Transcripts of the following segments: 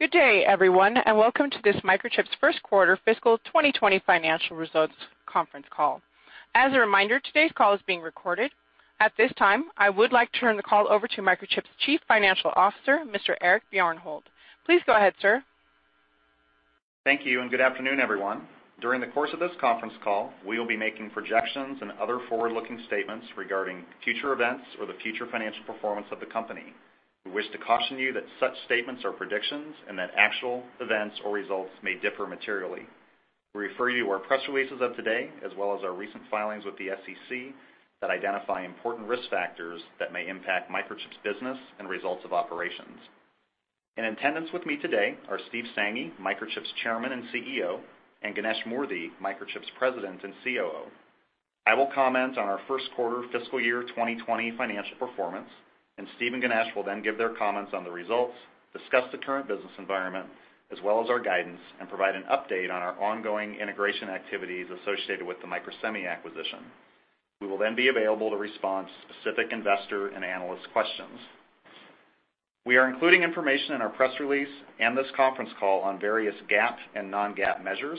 Good day everyone, welcome to this Microchip's first quarter fiscal 2020 financial results conference call. As a reminder, today's call is being recorded. At this time, I would like to turn the call over to Microchip's Chief Financial Officer, Mr. Eric Bjornholt. Please go ahead, sir. Thank you, and good afternoon, everyone. During the course of this conference call, we will be making projections and other forward-looking statements regarding future events or the future financial performance of the company. We wish to caution you that such statements are predictions, and that actual events or results may differ materially. We refer you to our press releases of today, as well as our recent filings with the SEC that identify important risk factors that may impact Microchip's business and results of operations. In attendance with me today are Steve Sanghi, Microchip's Chairman and CEO, and Ganesh Moorthy, Microchip's President and COO. I will comment on our first quarter fiscal year 2020 financial performance, and Steve and Ganesh will then give their comments on the results, discuss the current business environment, as well as our guidance, and provide an update on our ongoing integration activities associated with the Microsemi acquisition. We will then be available to respond to specific investor and analyst questions. We are including information in our press release and this conference call on various GAAP and non-GAAP measures.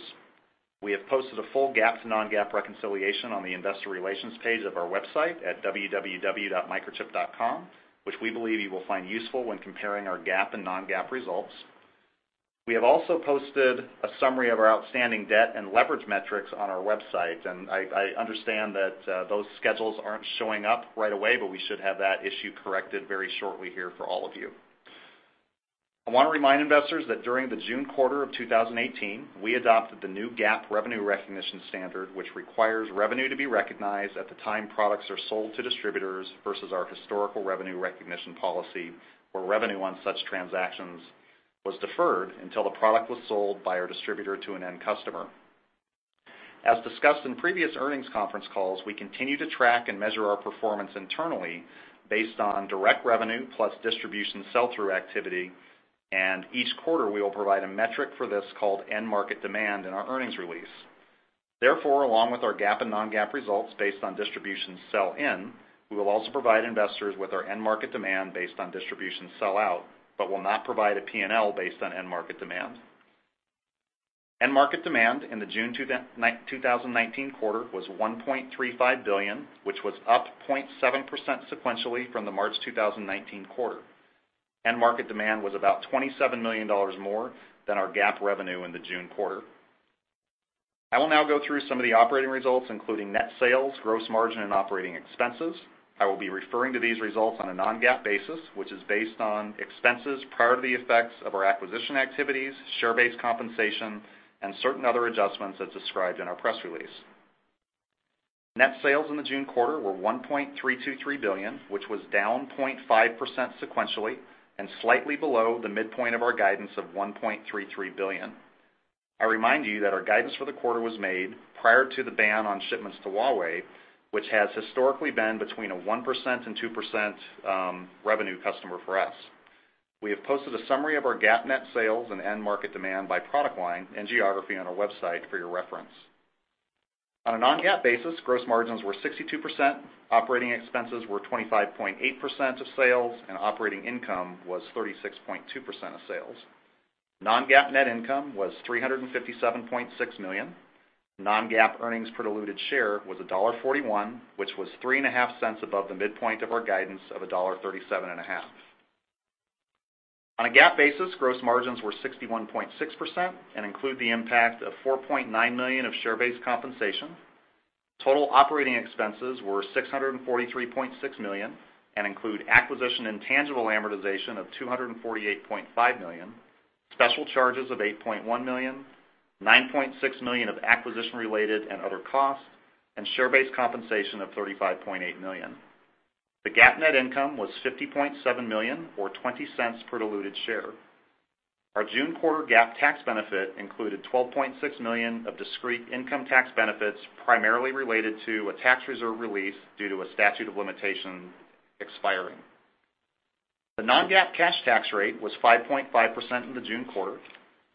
We have posted a full GAAP to non-GAAP reconciliation on the investor relations page of our website at www.microchip.com, which we believe you will find useful when comparing our GAAP and non-GAAP results. We have also posted a summary of our outstanding debt and leverage metrics on our website. I understand that those schedules aren't showing up right away. We should have that issue corrected very shortly here for all of you. I want to remind investors that during the June quarter of 2018, we adopted the new GAAP revenue recognition standard, which requires revenue to be recognized at the time products are sold to distributors versus our historical revenue recognition policy, where revenue on such transactions was deferred until the product was sold by our distributor to an end customer. As discussed in previous earnings conference calls, we continue to track and measure our performance internally based on direct revenue plus distribution sell-through activity. Each quarter, we will provide a metric for this called end market demand in our earnings release. Therefore, along with our GAAP and non-GAAP results based on distribution sell in, we will also provide investors with our end market demand based on distribution sell out, but will not provide a P&L based on end market demand. End market demand in the June 2019 quarter was $1.35 billion, which was up 0.7% sequentially from the March 2019 quarter. End market demand was about $27 million more than our GAAP revenue in the June quarter. I will now go through some of the operating results, including net sales, gross margin, and operating expenses. I will be referring to these results on a non-GAAP basis, which is based on expenses prior to the effects of our acquisition activities, share-based compensation, and certain other adjustments as described in our press release. Net sales in the June quarter were $1.323 billion, which was down 0.5% sequentially and slightly below the midpoint of our guidance of $1.33 billion. I remind you that our guidance for the quarter was made prior to the ban on shipments to Huawei, which has historically been between a 1% and 2% revenue customer for us. We have posted a summary of our GAAP net sales and end market demand by product line and geography on our website for your reference. On a non-GAAP basis, gross margins were 62%, operating expenses were 25.8% of sales, and operating income was 36.2% of sales. Non-GAAP net income was $357.6 million. Non-GAAP earnings per diluted share was $1.41, which was $0.035 above the midpoint of our guidance of $1.37 and a half. On a GAAP basis, gross margins were 61.6% and include the impact of $4.9 million of share-based compensation. Total operating expenses were $643.6 million and include acquisition and tangible amortization of $248.5 million, special charges of $8.1 million, $9.6 million of acquisition-related and other costs, and share-based compensation of $35.8 million. The GAAP net income was $50.7 million or $0.20 per diluted share. Our June quarter GAAP tax benefit included $12.6 million of discrete income tax benefits, primarily related to a tax reserve release due to a statute of limitation expiring. The non-GAAP cash tax rate was 5.5% in the June quarter.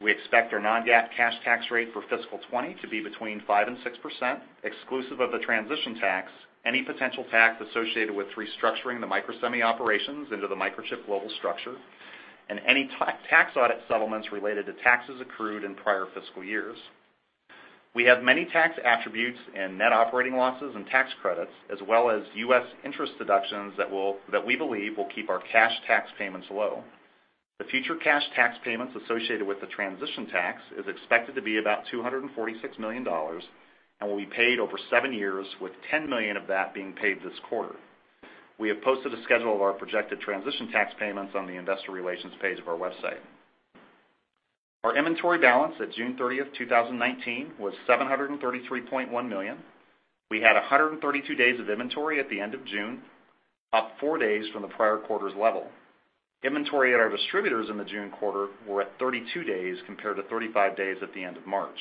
We expect our non-GAAP cash tax rate for fiscal 2020 to be between 5% and 6%, exclusive of the transition tax, any potential tax associated with restructuring the Microsemi operations into the Microchip global structure, and any tax audit settlements related to taxes accrued in prior fiscal years. We have many tax attributes and net operating losses and tax credits, as well as U.S. interest deductions that we believe will keep our cash tax payments low. The future cash tax payments associated with the transition tax is expected to be about $246 million and will be paid over 7 years, with $10 million of that being paid this quarter. We have posted a schedule of our projected transition tax payments on the investor relations page of our website. Our inventory balance at June 30, 2019, was $733.1 million. We had 132 days of inventory at the end of June, up four days from the prior quarter's level. Inventory at our distributors in the June quarter were at 32 days compared to 35 days at the end of March.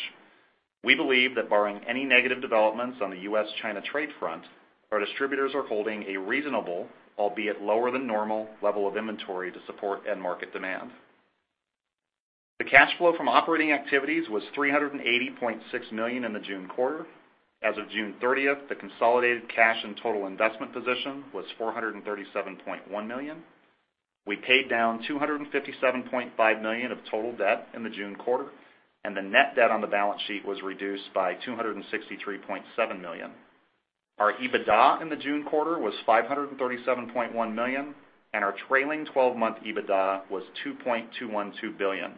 We believe that barring any negative developments on the U.S.-China trade front, our distributors are holding a reasonable, albeit lower than normal, level of inventory to support end market demand. The cash flow from operating activities was $380.6 million in the June quarter. As of June 30th, the consolidated cash and total investment position was $437.1 million. We paid down $257.5 million of total debt in the June quarter. The net debt on the balance sheet was reduced by $263.7 million. Our EBITDA in the June quarter was $537.1 million. Our trailing 12-month EBITDA was $2.212 billion.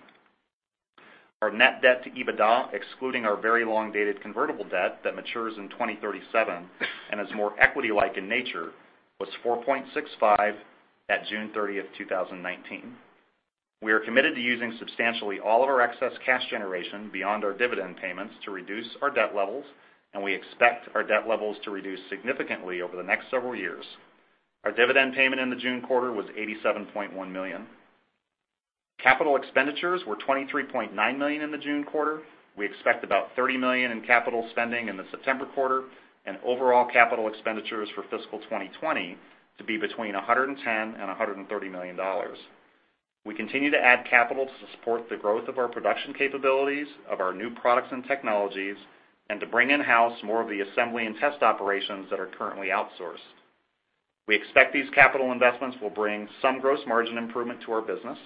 Our net debt to EBITDA, excluding our very long-dated convertible debt that matures in 2037 and is more equity-like in nature, was 4.65 at June 30th, 2019. We are committed to using substantially all of our excess cash generation beyond our dividend payments to reduce our debt levels. We expect our debt levels to reduce significantly over the next several years. Our dividend payment in the June quarter was $87.1 million. Capital expenditures were $23.9 million in the June quarter. We expect about $30 million in capital spending in the September quarter. Overall capital expenditures for fiscal 2020 to be between $110 million and $130 million. We continue to add capital to support the growth of our production capabilities, of our new products and technologies, and to bring in-house more of the assembly and test operations that are currently outsourced. We expect these capital investments will bring some gross margin improvement to our business,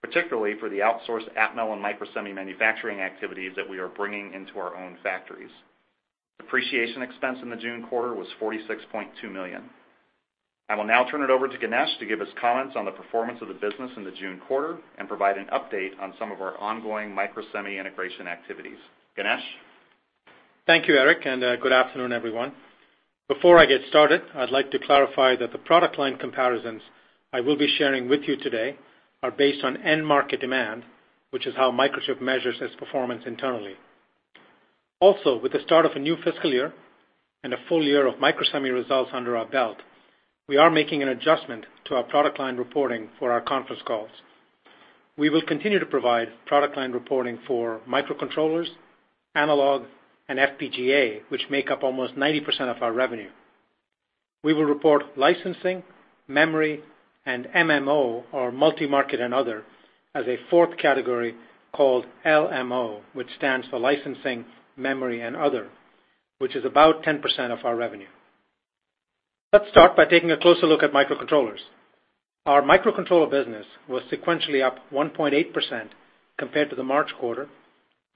particularly for the outsourced Atmel and Microsemi manufacturing activities that we are bringing into our own factories. Depreciation expense in the June quarter was $46.2 million. I will now turn it over to Ganesh to give his comments on the performance of the business in the June quarter and provide an update on some of our ongoing Microsemi integration activities. Ganesh? Thank you, Eric, good afternoon, everyone. Before I get started, I'd like to clarify that the product line comparisons I will be sharing with you today are based on end market demand, which is how Microchip measures its performance internally. With the start of a new fiscal year and a full year of Microsemi results under our belt, we are making an adjustment to our product line reporting for our conference calls. We will continue to provide product line reporting for microcontrollers, analog, and FPGA, which make up almost 90% of our revenue. We will report licensing, memory, and MMO, or multi-market and other, as a fourth category called LMO, which stands for licensing, memory, and other, which is about 10% of our revenue. Let's start by taking a closer look at microcontrollers. Our microcontroller business was sequentially up 1.8% compared to the March quarter,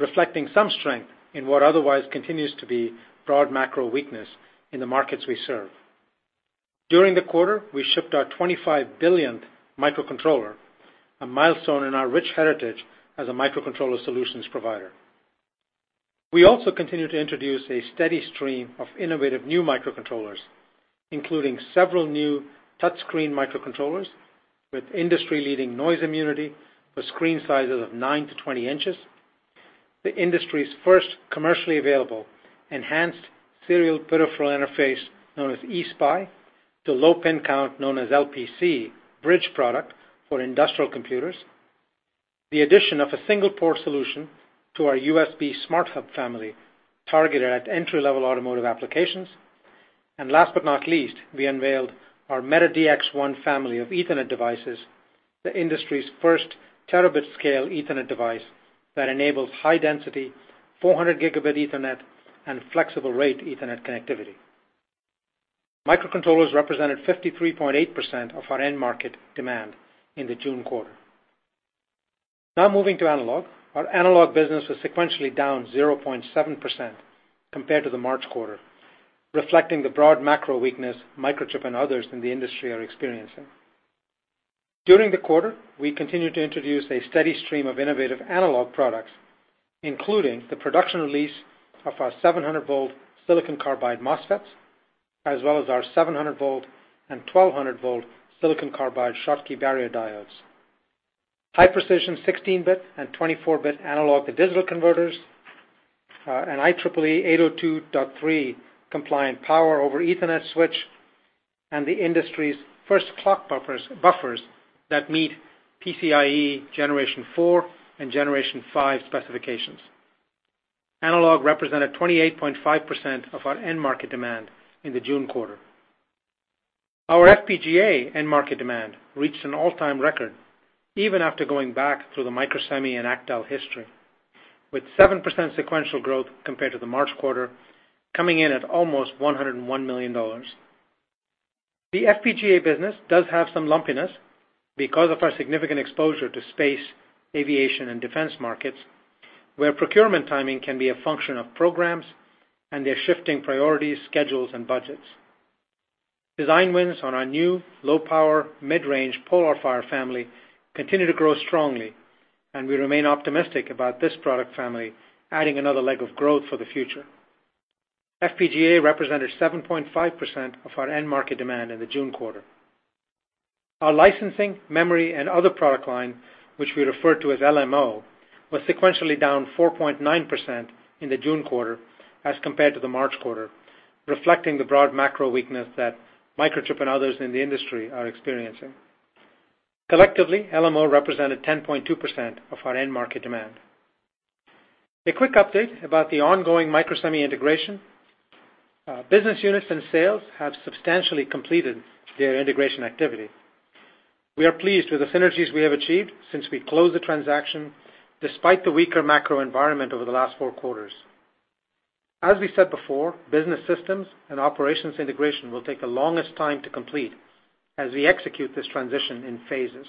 reflecting some strength in what otherwise continues to be broad macro weakness in the markets we serve. During the quarter, we shipped our 25 billionth microcontroller, a milestone in our rich heritage as a microcontroller solutions provider. We also continue to introduce a steady stream of innovative new microcontrollers, including several new touchscreen microcontrollers with industry-leading noise immunity for screen sizes of nine to 20 inches, the industry's first commercially available enhanced serial peripheral interface, known as eSPI, the low pin count, known as LPC, bridge product for industrial computers, the addition of a single port solution to our USB SmartHub family, targeted at entry-level automotive applications. Last but not least, we unveiled our META-DX1 family of Ethernet devices, the industry's first terabit-scale Ethernet device that enables high density 400 gigabit Ethernet and flexible rate Ethernet connectivity. Microcontrollers represented 53.8% of our end market demand in the June quarter. Moving to analog. Our analog business was sequentially down 0.7% compared to the March quarter, reflecting the broad macro weakness Microchip and others in the industry are experiencing. During the quarter, we continued to introduce a steady stream of innovative analog products, including the production release of our 700-volt silicon carbide MOSFETs, as well as our 700-volt and 1,200-volt silicon carbide Schottky barrier diodes. High precision 16-bit and 24-bit analog to digital converters, an IEEE 802.3 compliant Power over Ethernet switch, and the industry's first clock buffers that meet PCIe generation 4 and generation 5 specifications. Analog represented 28.5% of our end market demand in the June quarter. Our FPGA end market demand reached an all-time record even after going back through the Microsemi and Actel history, with 7% sequential growth compared to the March quarter, coming in at almost $101 million. The FPGA business does have some lumpiness because of our significant exposure to space, aviation, and defense markets, where procurement timing can be a function of programs and their shifting priorities, schedules, and budgets. We remain optimistic about this product family adding another leg of growth for the future. FPGA represented 7.5% of our end market demand in the June quarter. Our licensing, memory, and other product line, which we refer to as LMO, was sequentially down 4.9% in the June quarter as compared to the March quarter, reflecting the broad macro weakness that Microchip and others in the industry are experiencing. Collectively, LMO represented 10.2% of our end market demand. A quick update about the ongoing Microsemi integration. Business units and sales have substantially completed their integration activity. We are pleased with the synergies we have achieved since we closed the transaction, despite the weaker macro environment over the last four quarters. As we said before, business systems and operations integration will take the longest time to complete as we execute this transition in phases.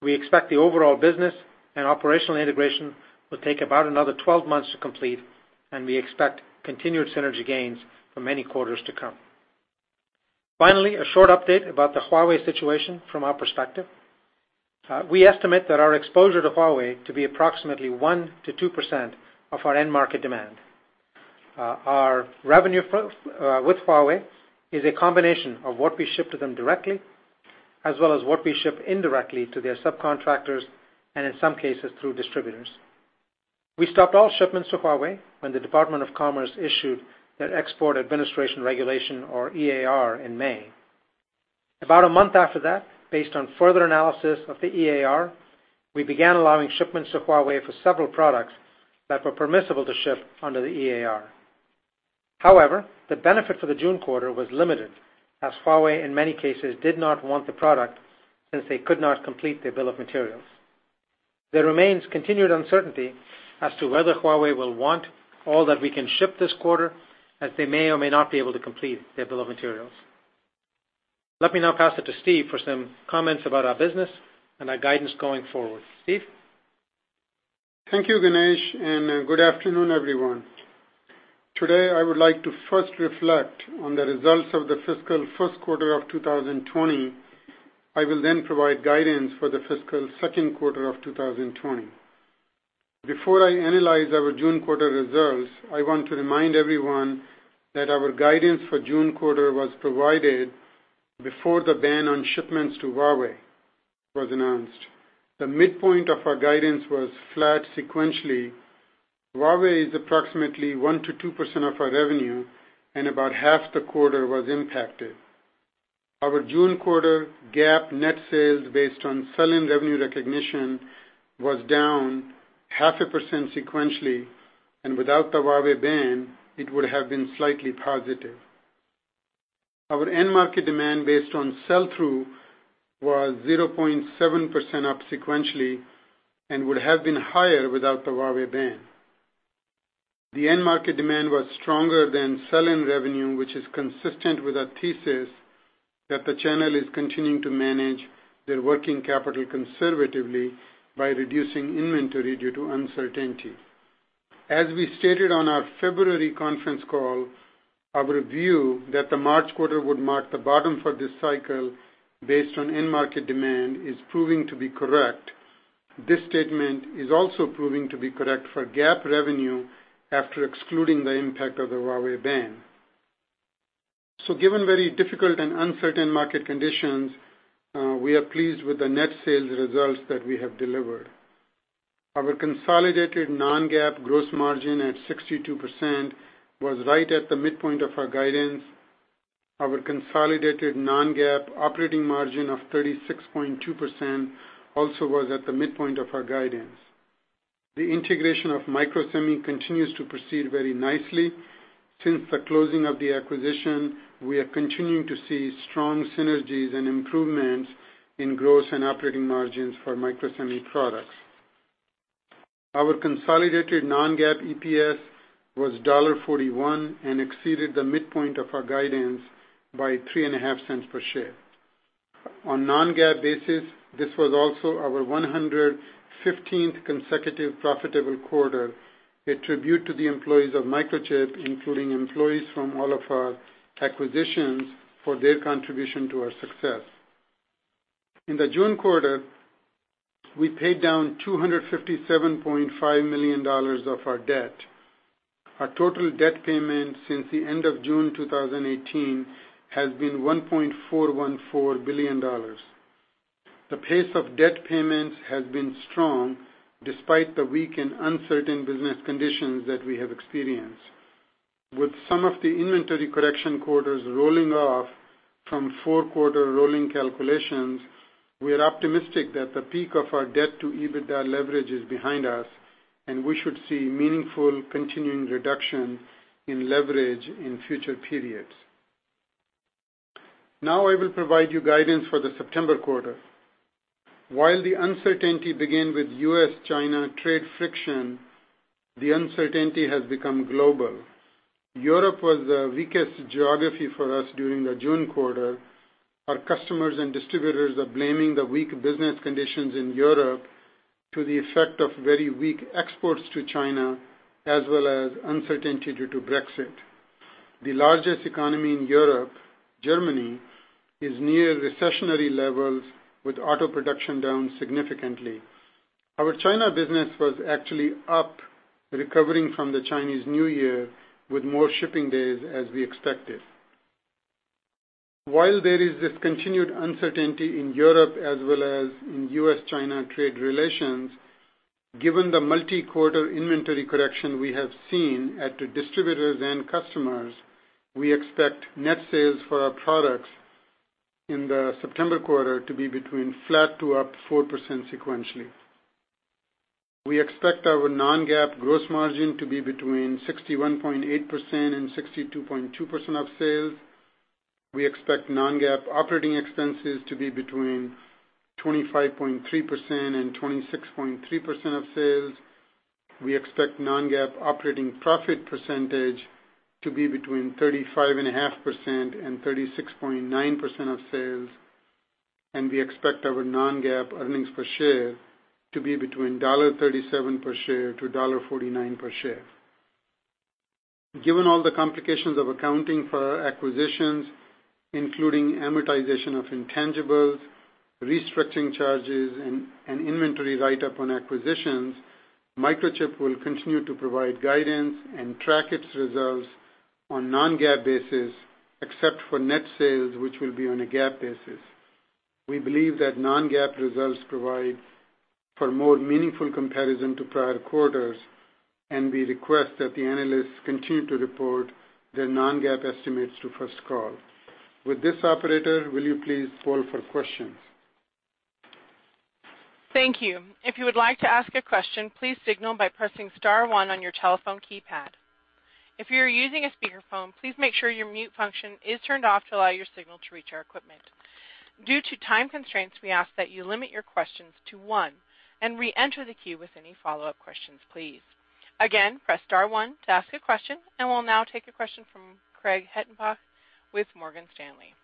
We expect the overall business and operational integration will take about another 12 months to complete, and we expect continued synergy gains for many quarters to come. Finally, a short update about the Huawei situation from our perspective. We estimate that our exposure to Huawei to be approximately 1%-2% of our end market demand. Our revenue with Huawei is a combination of what we ship to them directly, as well as what we ship indirectly to their subcontractors, and in some cases, through distributors. We stopped all shipments to Huawei when the Department of Commerce issued that Export Administration Regulation, or EAR, in May. About a month after that, based on further analysis of the EAR, we began allowing shipments to Huawei for several products that were permissible to ship under the EAR. However, the benefit for the June quarter was limited, as Huawei, in many cases, did not want the product since they could not complete their bill of materials. There remains continued uncertainty as to whether Huawei will want all that we can ship this quarter, as they may or may not be able to complete their bill of materials. Let me now pass it to Steve for some comments about our business and our guidance going forward. Steve? Thank you, Ganesh, good afternoon, everyone. Today, I would like to first reflect on the results of the fiscal first quarter of 2020. I will provide guidance for the fiscal second quarter of 2020. Before I analyze our June quarter results, I want to remind everyone that our guidance for June quarter was provided before the ban on shipments to Huawei was announced. The midpoint of our guidance was flat sequentially. Huawei is approximately 1% to 2% of our revenue, and about half the quarter was impacted. Our June quarter GAAP net sales based on sell-in revenue recognition was down 0.5% sequentially, and without the Huawei ban, it would have been slightly positive. Our end market demand based on sell-through was 0.7% up sequentially and would have been higher without the Huawei ban. The end market demand was stronger than sell-in revenue, which is consistent with our thesis that the channel is continuing to manage their working capital conservatively by reducing inventory due to uncertainty. As we stated on our February conference call, our view that the March quarter would mark the bottom for this cycle based on end market demand is proving to be correct. This statement is also proving to be correct for GAAP revenue after excluding the impact of the Huawei ban. Given very difficult and uncertain market conditions, we are pleased with the net sales results that we have delivered. Our consolidated non-GAAP gross margin at 62% was right at the midpoint of our guidance. Our consolidated non-GAAP operating margin of 36.2% also was at the midpoint of our guidance. The integration of Microsemi continues to proceed very nicely. Since the closing of the acquisition, we are continuing to see strong synergies and improvements in gross and operating margins for Microsemi products. Our consolidated non-GAAP EPS was $1.41 and exceeded the midpoint of our guidance by $0.035 per share. On non-GAAP basis, this was also our 115th consecutive profitable quarter, a tribute to the employees of Microchip, including employees from all of our acquisitions, for their contribution to our success. In the June quarter, we paid down $257.5 million of our debt. Our total debt payment since the end of June 2018 has been $1.414 billion. The pace of debt payments has been strong despite the weak and uncertain business conditions that we have experienced. With some of the inventory correction quarters rolling off from four quarter rolling calculations, we are optimistic that the peak of our debt to EBITDA leverage is behind us and we should see meaningful continuing reduction in leverage in future periods. I will provide you guidance for the September quarter. While the uncertainty began with U.S.-China trade friction, the uncertainty has become global. Europe was the weakest geography for us during the June quarter. Our customers and distributors are blaming the weak business conditions in Europe to the effect of very weak exports to China, as well as uncertainty due to Brexit. The largest economy in Europe, Germany, is near recessionary levels with auto production down significantly. Our China business was actually up, recovering from the Chinese New Year, with more shipping days as we expected. While there is this continued uncertainty in Europe as well as in U.S.-China trade relations, given the multi-quarter inventory correction we have seen at the distributors and customers, we expect net sales for our products in the September quarter to be between flat to up 4% sequentially. We expect our non-GAAP gross margin to be between 61.8% and 62.2% of sales. We expect non-GAAP operating expenses to be between 25.3% and 26.3% of sales. We expect non-GAAP operating profit percentage to be between 35.5% and 36.9% of sales. We expect our non-GAAP earnings per share to be between $1.37 per share to $1.49 per share. Given all the complications of accounting for our acquisitions, including amortization of intangibles, restructuring charges, and inventory write-up on acquisitions, Microchip will continue to provide guidance and track its results on non-GAAP basis, except for net sales, which will be on a GAAP basis. We believe that non-GAAP results provide for more meaningful comparison to prior quarters. We request that the analysts continue to report their non-GAAP estimates to First Call. With this, operator, will you please poll for questions? Thank you. If you would like to ask a question, please signal by pressing star one on your telephone keypad. If you are using a speakerphone, please make sure your mute function is turned off to allow your signal to reach our equipment. Due to time constraints, we ask that you limit your questions to one and reenter the queue with any follow-up questions, please. Again, press star one to ask a question. We'll now take a question from Craig Hettenbach with Morgan Stanley.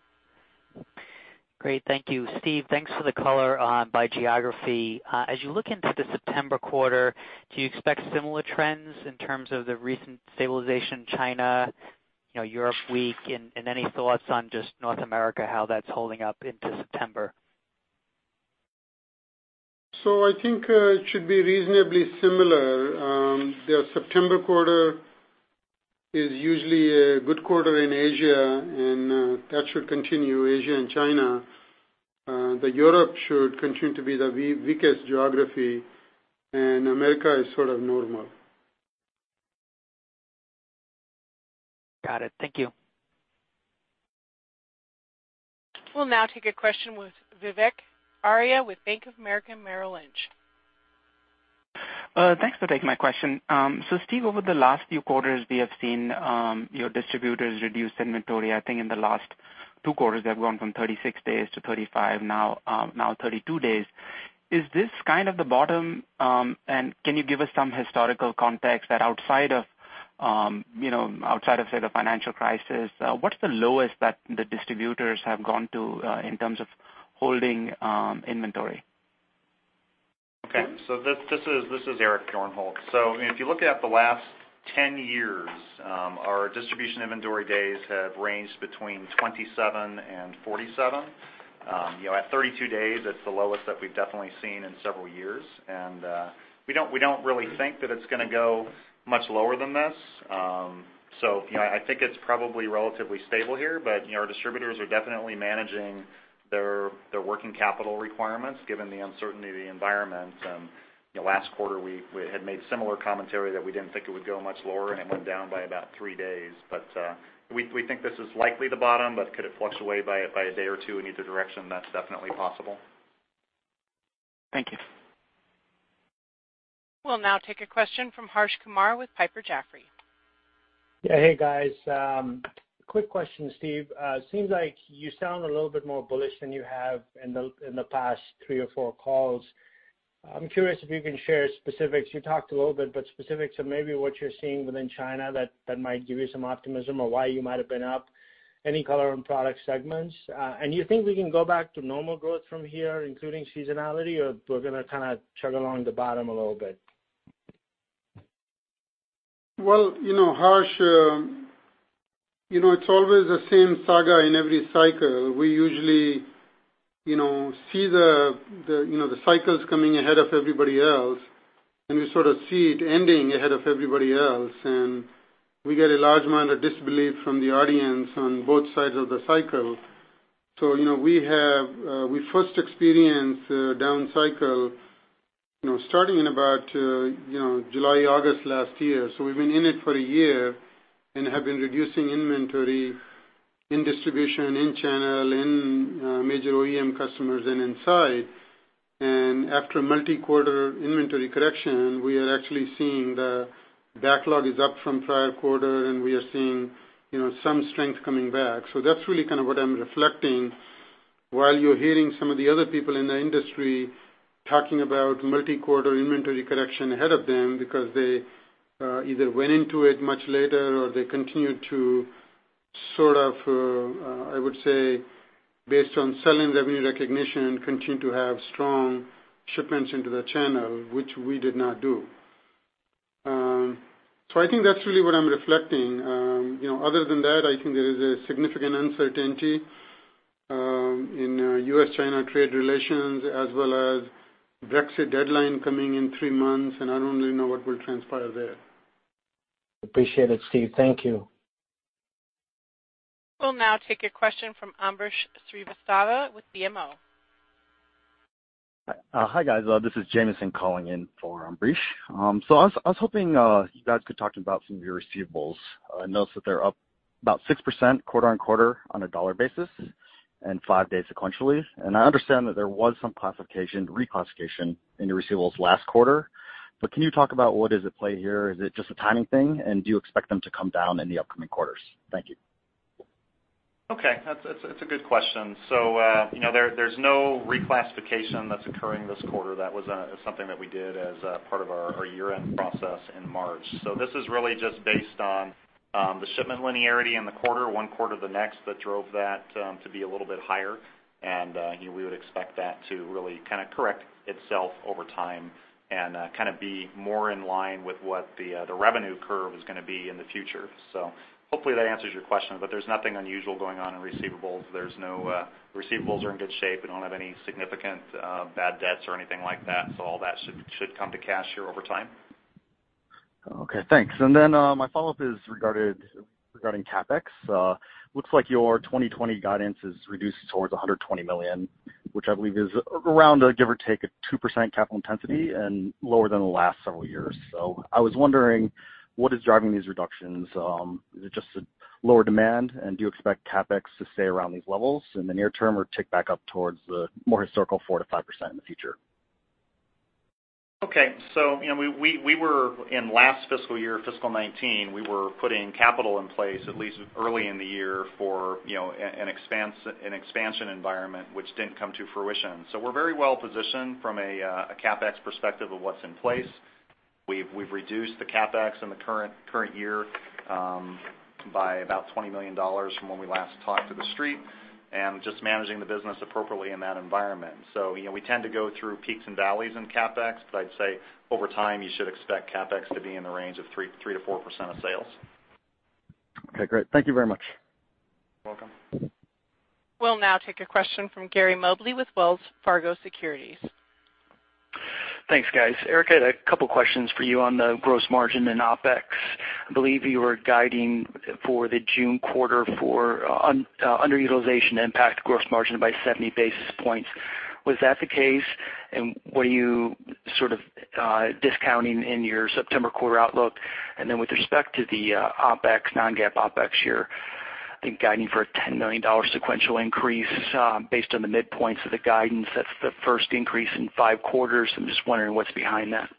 Great, thank you. Steve, thanks for the color by geography. As you look into the September quarter, do you expect similar trends in terms of the recent stabilization in China, Europe weak, and any thoughts on just North America, how that's holding up into September? I think it should be reasonably similar. The September quarter is usually a good quarter in Asia, and that should continue Asia and China. Europe should continue to be the weakest geography, and America is sort of normal. Got it. Thank you. We'll now take a question with Vivek Arya with Bank of America Merrill Lynch. Thanks for taking my question. Steve, over the last few quarters, we have seen your distributors reduce inventory. I think in the last two quarters, they have gone from 36 days to 35, now 32 days. Is this kind of the bottom? Can you give us some historical context that outside of the financial crisis, what's the lowest that the distributors have gone to in terms of holding inventory? This is Eric Bjornholt. If you look at the last 10 years, our distribution inventory days have ranged between 27 and 47. At 32 days, it's the lowest that we've definitely seen in several years. We don't really think that it's going to go much lower than this. I think it's probably relatively stable here. Our distributors are definitely managing their working capital requirements given the uncertainty of the environment. Last quarter, we had made similar commentary that we didn't think it would go much lower and went down by about 3 days. We think this is likely the bottom. Could it flush away by a day or 2 in either direction? That's definitely possible. Thank you. We'll now take a question from Harsh Kumar with Piper Jaffray. Yeah. Hey, guys. Quick question, Steve. Seems like you sound a little bit more bullish than you have in the past three or four calls. I'm curious if you can share specifics. You talked a little bit, but specifics of maybe what you're seeing within China that might give you some optimism or why you might have been up. Any color on product segments? Do you think we can go back to normal growth from here, including seasonality, or we're going to kind of chug along the bottom a little bit? Well, Harsh, it's always the same saga in every cycle. We usually see the cycles coming ahead of everybody else, and we sort of see it ending ahead of everybody else. We get a large amount of disbelief from the audience on both sides of the cycle. We first experienced a down cycle starting in about July, August last year. We've been in it for a year and have been reducing inventory in distribution, in channel, in major OEM customers, and inside. After a multi-quarter inventory correction, we are actually seeing the backlog is up from prior quarter, and we are seeing some strength coming back. That's really kind of what I'm reflecting while you're hearing some of the other people in the industry talking about multi-quarter inventory correction ahead of them because they either went into it much later or they continued to sort of, I would say, based on selling revenue recognition, continue to have strong shipments into the channel, which we did not do. I think that's really what I'm reflecting. Other than that, I think there is a significant uncertainty in U.S.-China trade relations as well as Brexit deadline coming in three months, and I don't really know what will transpire there. Appreciate it, Steve. Thank you. We'll now take a question from Ambrish Srivastava with BMO. Hi, guys. This is Jameson calling in for Ambrish. I was hoping you guys could talk about some of your receivables. Notes that they're up about 6% quarter-on-quarter on a dollar basis and five days sequentially. I understand that there was some classification, reclassification in your receivables last quarter. Can you talk about what is at play here? Is it just a timing thing, and do you expect them to come down in the upcoming quarters? Thank you. Okay. That's a good question. There's no reclassification that's occurring this quarter. That was something that we did as a part of our year-end process in March. This is really just based on the shipment linearity in the quarter, one quarter to the next, that drove that to be a little bit higher. We would expect that to really kind of correct itself over time and kind of be more in line with what the revenue curve is going to be in the future. Hopefully that answers your question, but there's nothing unusual going on in receivables. Receivables are in good shape. We don't have any significant bad debts or anything like that, so all that should come to cash here over time. Okay, thanks. My follow-up is regarding CapEx. Looks like your 2020 guidance is reduced towards $120 million, which I believe is around a give or take a 2% capital intensity and lower than the last several years. I was wondering what is driving these reductions. Is it just a lower demand, and do you expect CapEx to stay around these levels in the near term or tick back up towards the more historical 4%-5% in the future? In last fiscal year, fiscal 2019, we were putting capital in place at least early in the year for an expansion environment, which didn't come to fruition. We're very well-positioned from a CapEx perspective of what's in place. We've reduced the CapEx in the current year by about $20 million from when we last talked to The Street, and just managing the business appropriately in that environment. We tend to go through peaks and valleys in CapEx, but I'd say over time, you should expect CapEx to be in the range of 3%-4% of sales. Okay, great. Thank you very much. You're welcome. We'll now take a question from Gary Mobley with Wells Fargo Securities. Thanks, guys. Eric, I had a couple questions for you on the gross margin and OpEx. I believe you were guiding for the June quarter for underutilization impact gross margin by 70 basis points. Was that the case, and were you sort of discounting in your September quarter outlook? With respect to the non-GAAP OpEx year, I think guiding for a $10 million sequential increase, based on the midpoints of the guidance, that's the first increase in five quarters. I'm just wondering what's behind that.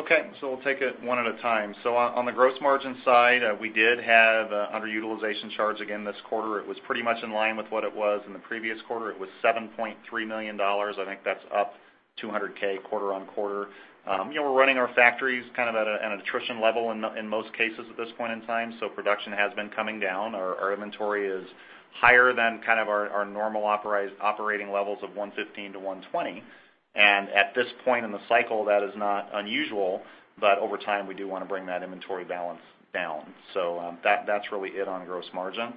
Okay. We'll take it one at a time. On the gross margin side, we did have a underutilization charge again this quarter. It was pretty much in line with what it was in the previous quarter. It was $7.3 million. I think that's up $200K quarter-on-quarter. We're running our factories kind of at an attrition level in most cases at this point in time, so production has been coming down. Our inventory is higher than kind of our normal operating levels of 115 to 120. At this point in the cycle, that is not unusual. Over time, we do want to bring that inventory balance down. That's really it on gross margin.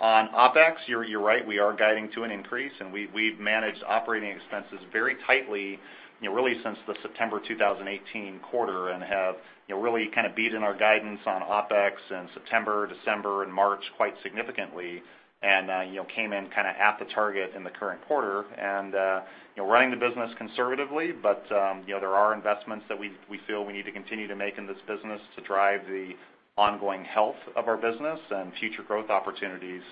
On OpEx, you're right, we are guiding to an increase, we've managed operating expenses very tightly really since the September 2018 quarter and have really kind of beat in our guidance on OpEx in September, December, and March quite significantly. Came in kind of at the target in the current quarter and running the business conservatively, there are investments that we feel we need to continue to make in this business to drive the ongoing health of our business and future growth opportunities.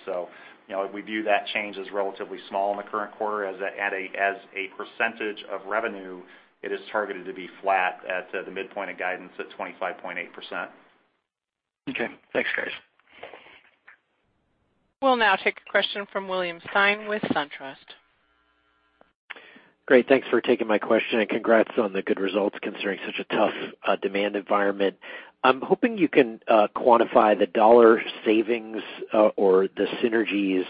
We view that change as relatively small in the current quarter as a percentage of revenue, it is targeted to be flat at the midpoint of guidance at 25.8%. Okay. Thanks, guys. We'll now take a question from William Stein with SunTrust. Great. Thanks for taking my question, congrats on the good results considering such a tough demand environment. I'm hoping you can quantify the dollar savings or the synergies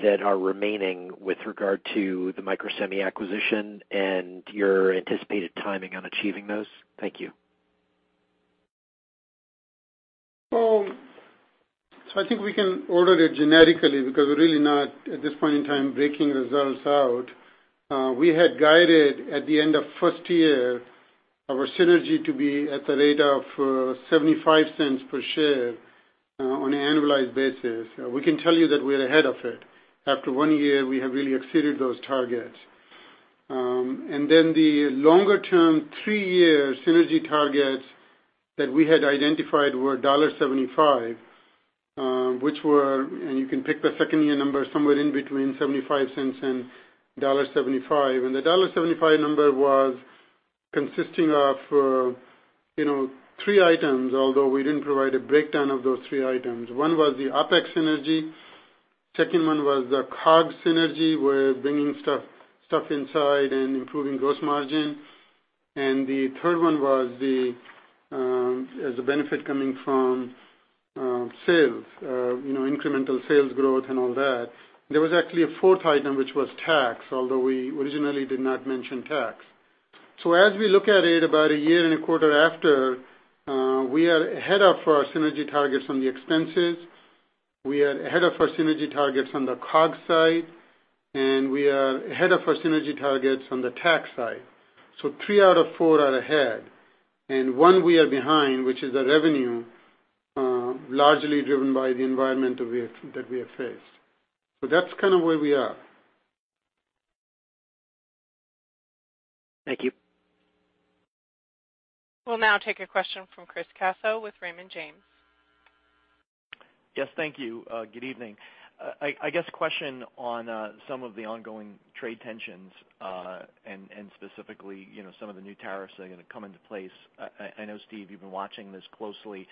that are remaining with regard to the Microsemi acquisition and your anticipated timing on achieving those. Thank you. I think we can order it generically because we're really not, at this point in time, breaking results out. We had guided at the end of first year our synergy to be at the rate of $0.75 per share on an annualized basis. We can tell you that we're ahead of it. After one year, we have really exceeded those targets. The longer-term, three-year synergy targets that we had identified were $1.75, and you can pick the second-year number somewhere in between $0.75 and $1.75. The $1.75 number was consisting of three items, although we didn't provide a breakdown of those three items. One was the OpEx synergy, second one was the COGS synergy. We're bringing stuff inside and improving gross margin. The third one was the benefit coming from sales, incremental sales growth and all that. There was actually a fourth item, which was tax, although we originally did not mention tax. As we look at it about a year and a quarter after, we are ahead of our synergy targets on the expenses, we are ahead of our synergy targets on the COGS side, and we are ahead of our synergy targets on the tax side. Three out of four are ahead. One we are behind, which is the revenue, largely driven by the environment that we have faced. That's kind of where we are. Thank you. We'll now take a question from Chris Caso with Raymond James. Yes, thank you. Good evening. I guess question on some of the ongoing trade tensions, and specifically, some of the new tariffs that are going to come into place. I know, Steve, you've been watching this closely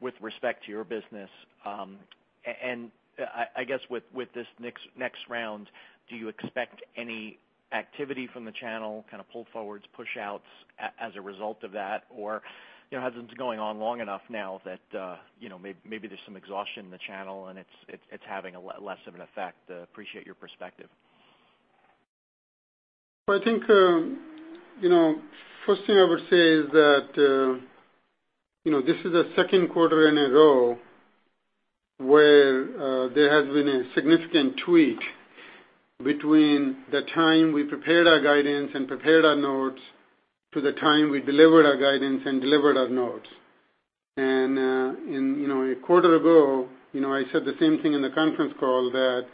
with respect to your business. I guess with this next round, do you expect any activity from the channel, kind of pull forwards, push outs as a result of that? Has this been going on long enough now that maybe there's some exhaustion in the channel and it's having a less of an effect? Appreciate your perspective. I think, first thing I would say is that, this is the second quarter in a row where there has been a significant tweak between the time we prepared our guidance and prepared our notes to the time we delivered our guidance and delivered our notes. In a quarter ago, I said the same thing in the conference call that,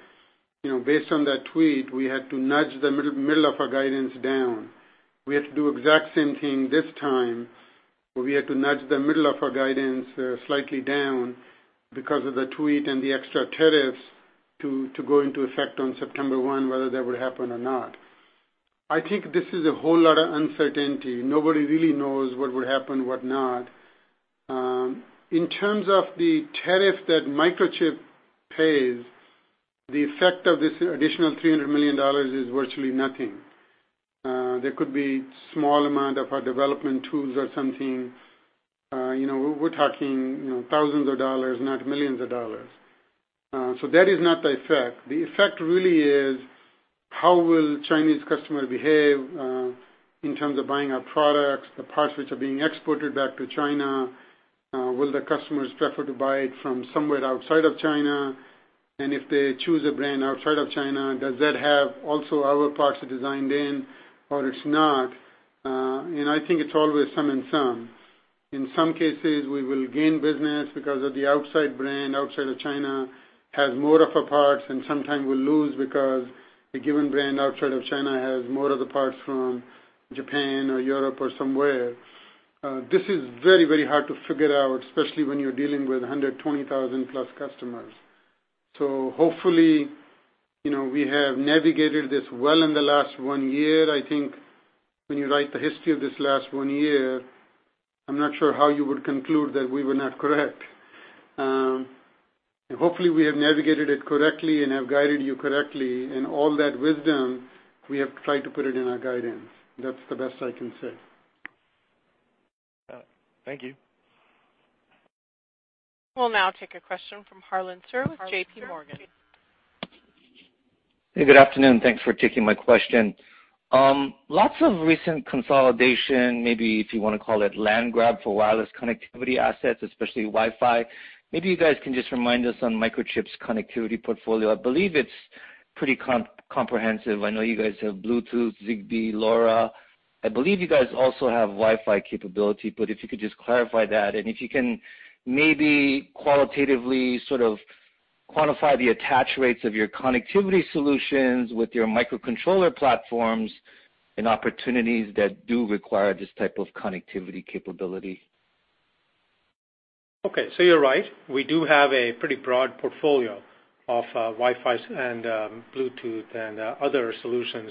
based on that tweak, we had to nudge the middle of our guidance down. We had to do exact same thing this time, where we had to nudge the middle of our guidance slightly down because of the tweak and the extra tariffs to go into effect on September 1, whether that would happen or not. I think this is a whole lot of uncertainty. Nobody really knows what would happen, what not. In terms of the tariff that Microchip pays, the effect of this additional $300 million is virtually nothing. There could be small amount of our development tools or something. We're talking $thousands, not $millions. That is not the effect. The effect really is how will Chinese customer behave, in terms of buying our products, the parts which are being exported back to China, will the customers prefer to buy it from somewhere outside of China? If they choose a brand outside of China, does that have also our parts designed in or it's not? I think it's always some and some. In some cases, we will gain business because of the outside brand, outside of China has more of a parts, and sometimes we lose because a given brand outside of China has more of the parts from Japan or Europe or somewhere. This is very hard to figure out, especially when you're dealing with 120,000 plus customers. Hopefully, we have navigated this well in the last one year. I think when you write the history of this last one year, I'm not sure how you would conclude that we were not correct. Hopefully we have navigated it correctly and have guided you correctly, and all that wisdom we have tried to put it in our guidance. That's the best I can say. All right. Thank you. We'll now take a question from Harlan Sur with J.P. Morgan. Hey, good afternoon. Thanks for taking my question. Lots of recent consolidation, maybe if you want to call it land grab for wireless connectivity assets, especially Wi-Fi. You guys can just remind us on Microchip's connectivity portfolio. I believe it's pretty comprehensive. I know you guys have Bluetooth, Zigbee, LoRa. I believe you guys also have Wi-Fi capability, but if you could just clarify that, and if you can maybe qualitatively sort of quantify the attach rates of your connectivity solutions with your microcontroller platforms and opportunities that do require this type of connectivity capability. Okay, you're right. We do have a pretty broad portfolio of Wi-Fi and Bluetooth and other solutions.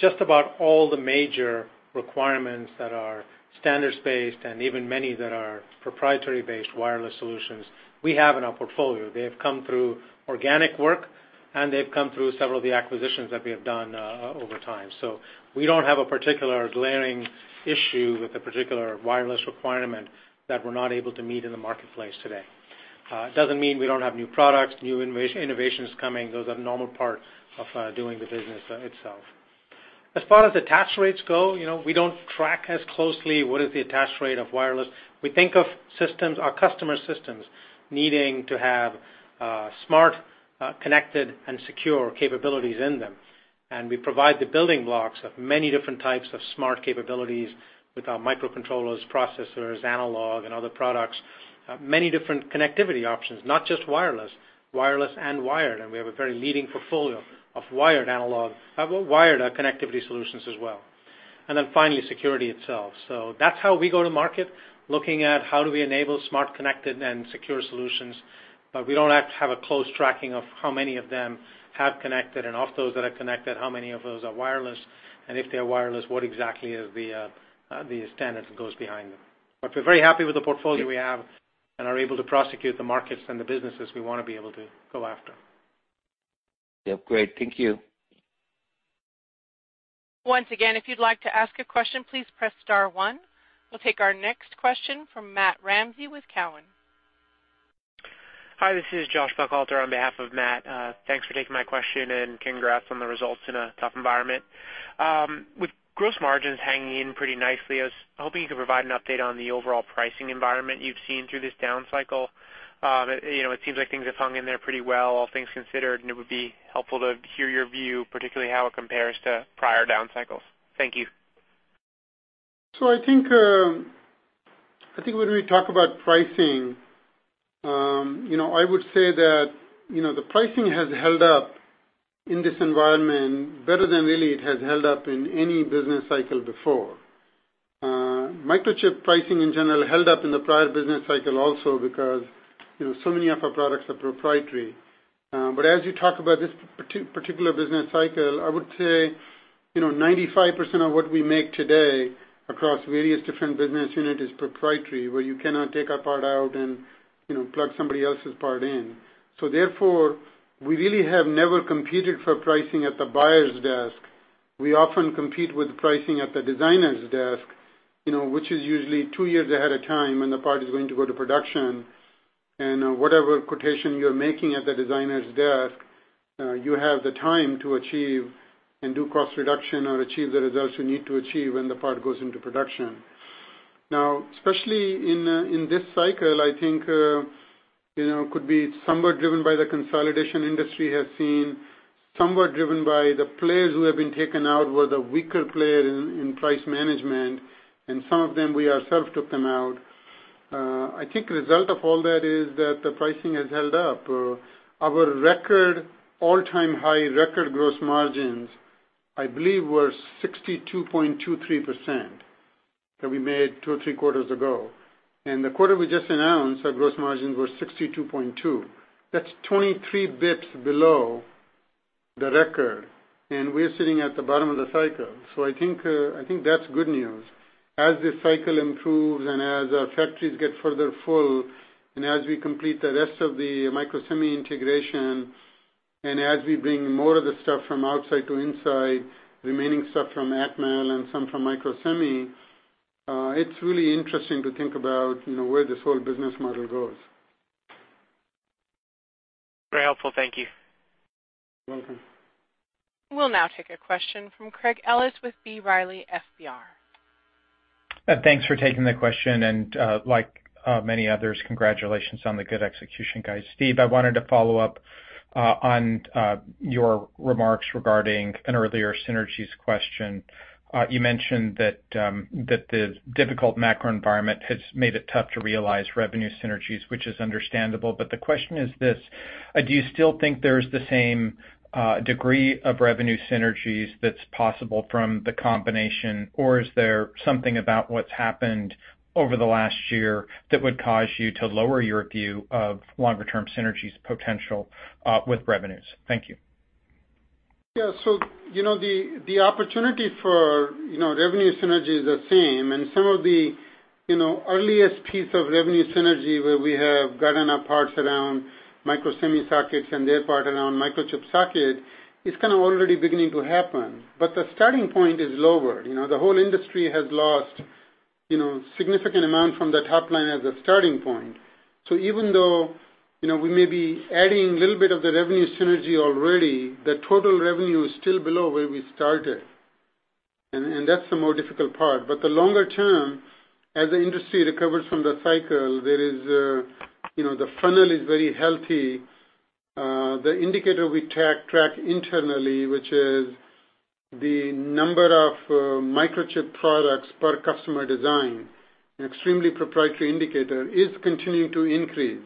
Just about all the major requirements that are standards-based and even many that are proprietary-based wireless solutions we have in our portfolio. They have come through organic work, and they've come through several of the acquisitions that we have done over time. We don't have a particular glaring issue with a particular wireless requirement that we're not able to meet in the marketplace today. It doesn't mean we don't have new products, new innovations coming. Those are normal part of doing the business itself. As far as attach rates go, we don't track as closely what is the attach rate of wireless. We think of our customer systems needing to have smart, connected, and secure capabilities in them, and we provide the building blocks of many different types of smart capabilities with our microcontrollers, processors, analog, and other products. Many different connectivity options, not just wireless and wired, and we have a very leading portfolio of wired analog, wired connectivity solutions as well. Finally, security itself. That's how we go to market, looking at how do we enable smart, connected, and secure solutions, we don't have to have a close tracking of how many of them have connected, and of those that are connected, how many of those are wireless, and if they are wireless, what exactly is the standards that goes behind them. We're very happy with the portfolio we have and are able to prosecute the markets and the businesses we want to be able to go after. Yep, great. Thank you. Once again, if you'd like to ask a question, please press star 1. We'll take our next question from Matt Ramsay with Cowen. Hi, this is Joshua Buchalter on behalf of Matt. Thanks for taking my question, and congrats on the results in a tough environment. With gross margins hanging in pretty nicely, I was hoping you could provide an update on the overall pricing environment you've seen through this down cycle. It seems like things have hung in there pretty well, all things considered, and it would be helpful to hear your view, particularly how it compares to prior down cycles. Thank you. I think when we talk about pricing, I would say that the pricing has held up in this environment better than really it has held up in any business cycle before. Microchip pricing in general held up in the prior business cycle also because so many of our products are proprietary. As you talk about this particular business cycle, I would say, 95% of what we make today across various different business unit is proprietary, where you cannot take our part out and plug somebody else's part in. Therefore, we really have never competed for pricing at the buyer's desk. We often compete with pricing at the designer's desk which is usually two years ahead of time when the part is going to go to production. Whatever quotation you're making at the designer's desk, you have the time to achieve and do cost reduction or achieve the results you need to achieve when the part goes into production. Especially in this cycle, I think, could be somewhat driven by the consolidation industry has seen, somewhat driven by the players who have been taken out, were the weaker player in price management, and some of them, we ourselves took them out. Result of all that is that the pricing has held up. Our all-time high record gross margins, I believe, were 62.23% that we made two or three quarters ago. The quarter we just announced, our gross margins were 62.2%. That's 23 basis points below the record, and we're sitting at the bottom of the cycle. I think that's good news. As the cycle improves and as our factories get further full, and as we complete the rest of the Microsemi integration, and as we bring more of the stuff from outside to inside, remaining stuff from Atmel and some from Microsemi, it's really interesting to think about where this whole business model goes. Very helpful. Thank you. You're welcome. We'll now take a question from Craig Ellis with B. Riley FBR. Thanks for taking the question. Like many others, congratulations on the good execution, guys. Steve, I wanted to follow up on your remarks regarding an earlier synergies question. You mentioned that the difficult macro environment has made it tough to realize revenue synergies, which is understandable. The question is this. Do you still think there's the same degree of revenue synergies that's possible from the combination, or is there something about what's happened over the last year that would cause you to lower your view of longer-term synergies potential with revenues? Thank you. The opportunity for revenue synergies are same, and some of the earliest piece of revenue synergy where we have gotten our parts around Microsemi circuits and their part around Microchip circuit is kind of already beginning to happen. The starting point is lower. The whole industry has lost significant amount from the top line as a starting point. Even though we may be adding little bit of the revenue synergy already, the total revenue is still below where we started. That's the more difficult part. The longer term, as the industry recovers from the cycle, the funnel is very healthy. The indicator we track internally, which is the number of Microchip products per customer design, an extremely proprietary indicator, is continuing to increase.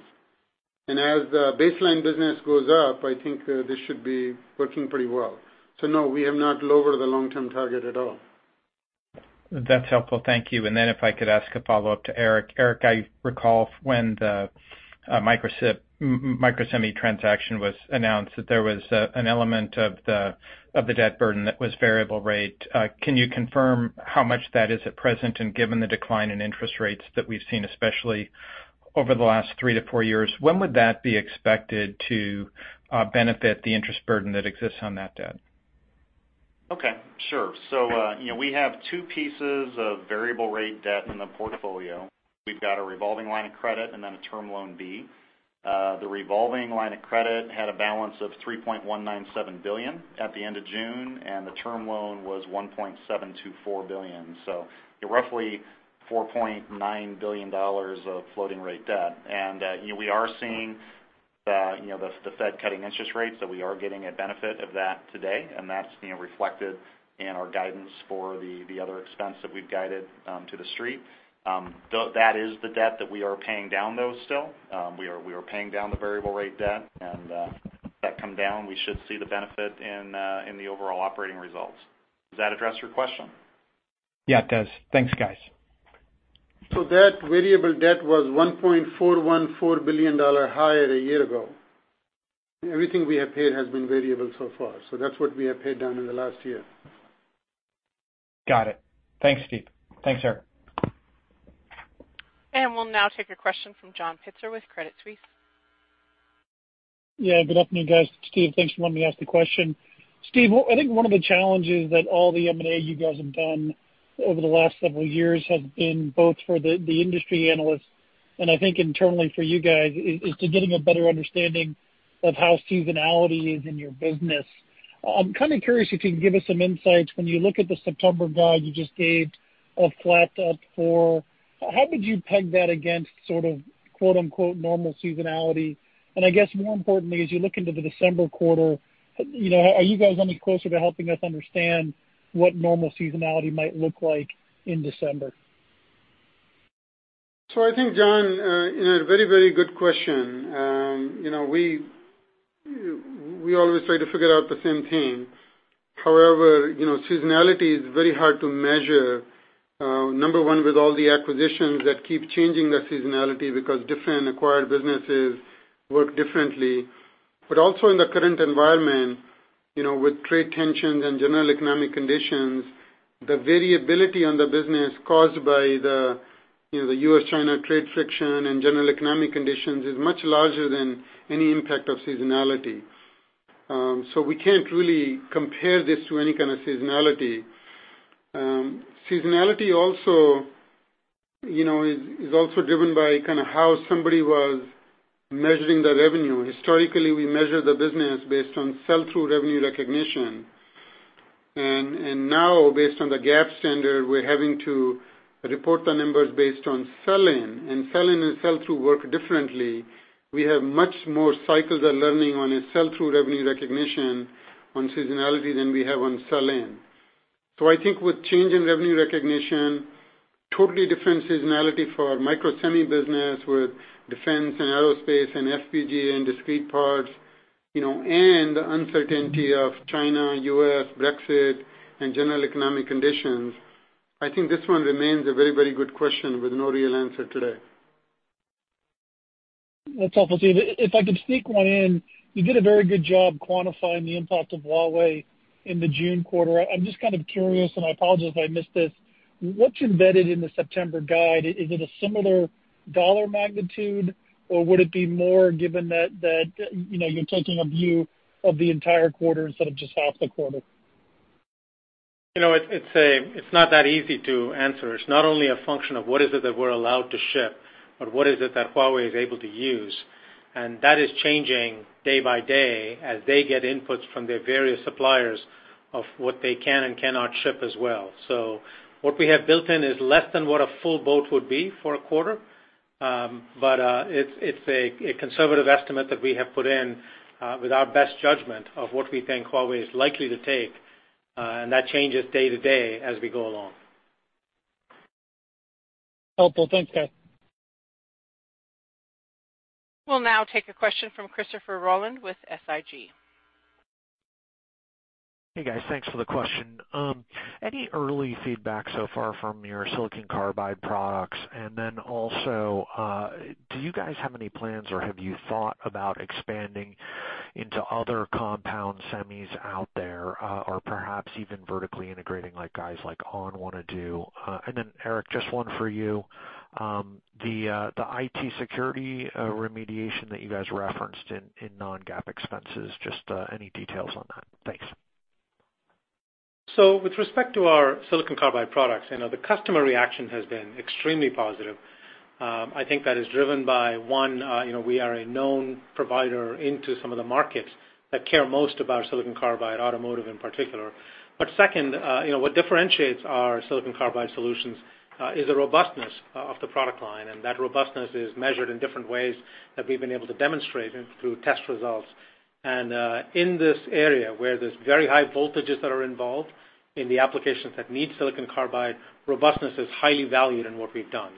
As the baseline business goes up, I think this should be working pretty well. No, we have not lowered the long-term target at all. That's helpful. Thank you. If I could ask a follow-up to Eric. Eric, I recall when the Microsemi transaction was announced, that there was an element of the debt burden that was variable rate. Can you confirm how much that is at present, and given the decline in interest rates that we've seen, especially over the last three to four years, when would that be expected to benefit the interest burden that exists on that debt? Okay. Sure. We have two pieces of variable rate debt in the portfolio. We've got a revolving line of credit and then a term loan B. The revolving line of credit had a balance of $3.197 billion at the end of June, and the term loan was $1.724 billion. Roughly $4.9 billion of floating rate debt. We are seeing the Fed cutting interest rates, so we are getting a benefit of that today, and that's being reflected in our guidance for the other expense that we've guided to the street. That is the debt that we are paying down though still. We are paying down the variable rate debt, and that come down, we should see the benefit in the overall operating results. Does that address your question? Yeah, it does. Thanks, guys. That variable debt was $1.414 billion higher a year ago. Everything we have paid has been variable so far, that's what we have paid down in the last year. Got it. Thanks, Steve. Thanks, Eric. We'll now take a question from John Pitzer with Credit Suisse. Yeah, good afternoon, guys. Steve, thanks for letting me ask the question. Steve, I think one of the challenges that all the M&A you guys have done over the last several years has been both for the industry analysts and I think internally for you guys, is to getting a better understanding of how seasonality is in your business. I'm kind of curious if you can give us some insights. When you look at the September guide you just gave of flat to up four, how would you peg that against sort of "normal seasonality"? I guess more importantly, as you look into the December quarter, are you guys any closer to helping us understand what normal seasonality might look like in December? I think, John, very good question. We always try to figure out the same thing. However, seasonality is very hard to measure, number one, with all the acquisitions that keep changing the seasonality because different acquired businesses work differently. Also in the current environment, with trade tensions and general economic conditions, the variability on the business caused by the U.S.-China trade friction and general economic conditions is much larger than any impact of seasonality. We can't really compare this to any kind of seasonality. Seasonality is also driven by how somebody was measuring the revenue. Historically, we measure the business based on sell-through revenue recognition. Now based on the GAAP standard, we're having to report the numbers based on sell-in, and sell-in and sell-through work differently. We have much more cycles of learning on a sell-through revenue recognition on seasonality than we have on sell-in. I think with change in revenue recognition, totally different seasonality for Microsemi business with defense and aerospace and FPGA and discrete parts, and the uncertainty of China, U.S., Brexit, and general economic conditions, I think this one remains a very good question with no real answer today. That's helpful, Steve. If I could sneak one in, you did a very good job quantifying the impact of Huawei in the June quarter. I'm just kind of curious. I apologize if I missed this. What's embedded in the September guide? Is it a similar dollar magnitude, or would it be more given that you're taking a view of the entire quarter instead of just half the quarter? It's not that easy to answer. It's not only a function of what is it that we're allowed to ship, but what is it that Huawei is able to use. That is changing day by day as they get inputs from their various suppliers of what they can and cannot ship as well. What we have built in is less than what a full boat would be for a quarter. It's a conservative estimate that we have put in with our best judgment of what we think Huawei is likely to take. That changes day to day as we go along. Helpful. Thanks, guys. We'll now take a question from Christopher Rolland with SIG. Hey, guys. Thanks for the question. Any early feedback so far from your silicon carbide products? Do you guys have any plans, or have you thought about expanding into other compound semis out there, or perhaps even vertically integrating like guys like On want to do? Eric, just one for you. The IT security remediation that you guys referenced in non-GAAP expenses, just any details on that? Thanks. With respect to our silicon carbide products, the customer reaction has been extremely positive. I think that is driven by one, we are a known provider into some of the markets that care most about silicon carbide, automotive in particular. Second, what differentiates our silicon carbide solutions is the robustness of the product line, and that robustness is measured in different ways that we've been able to demonstrate through test results. In this area, where there's very high voltages that are involved in the applications that need silicon carbide, robustness is highly valued in what we've done.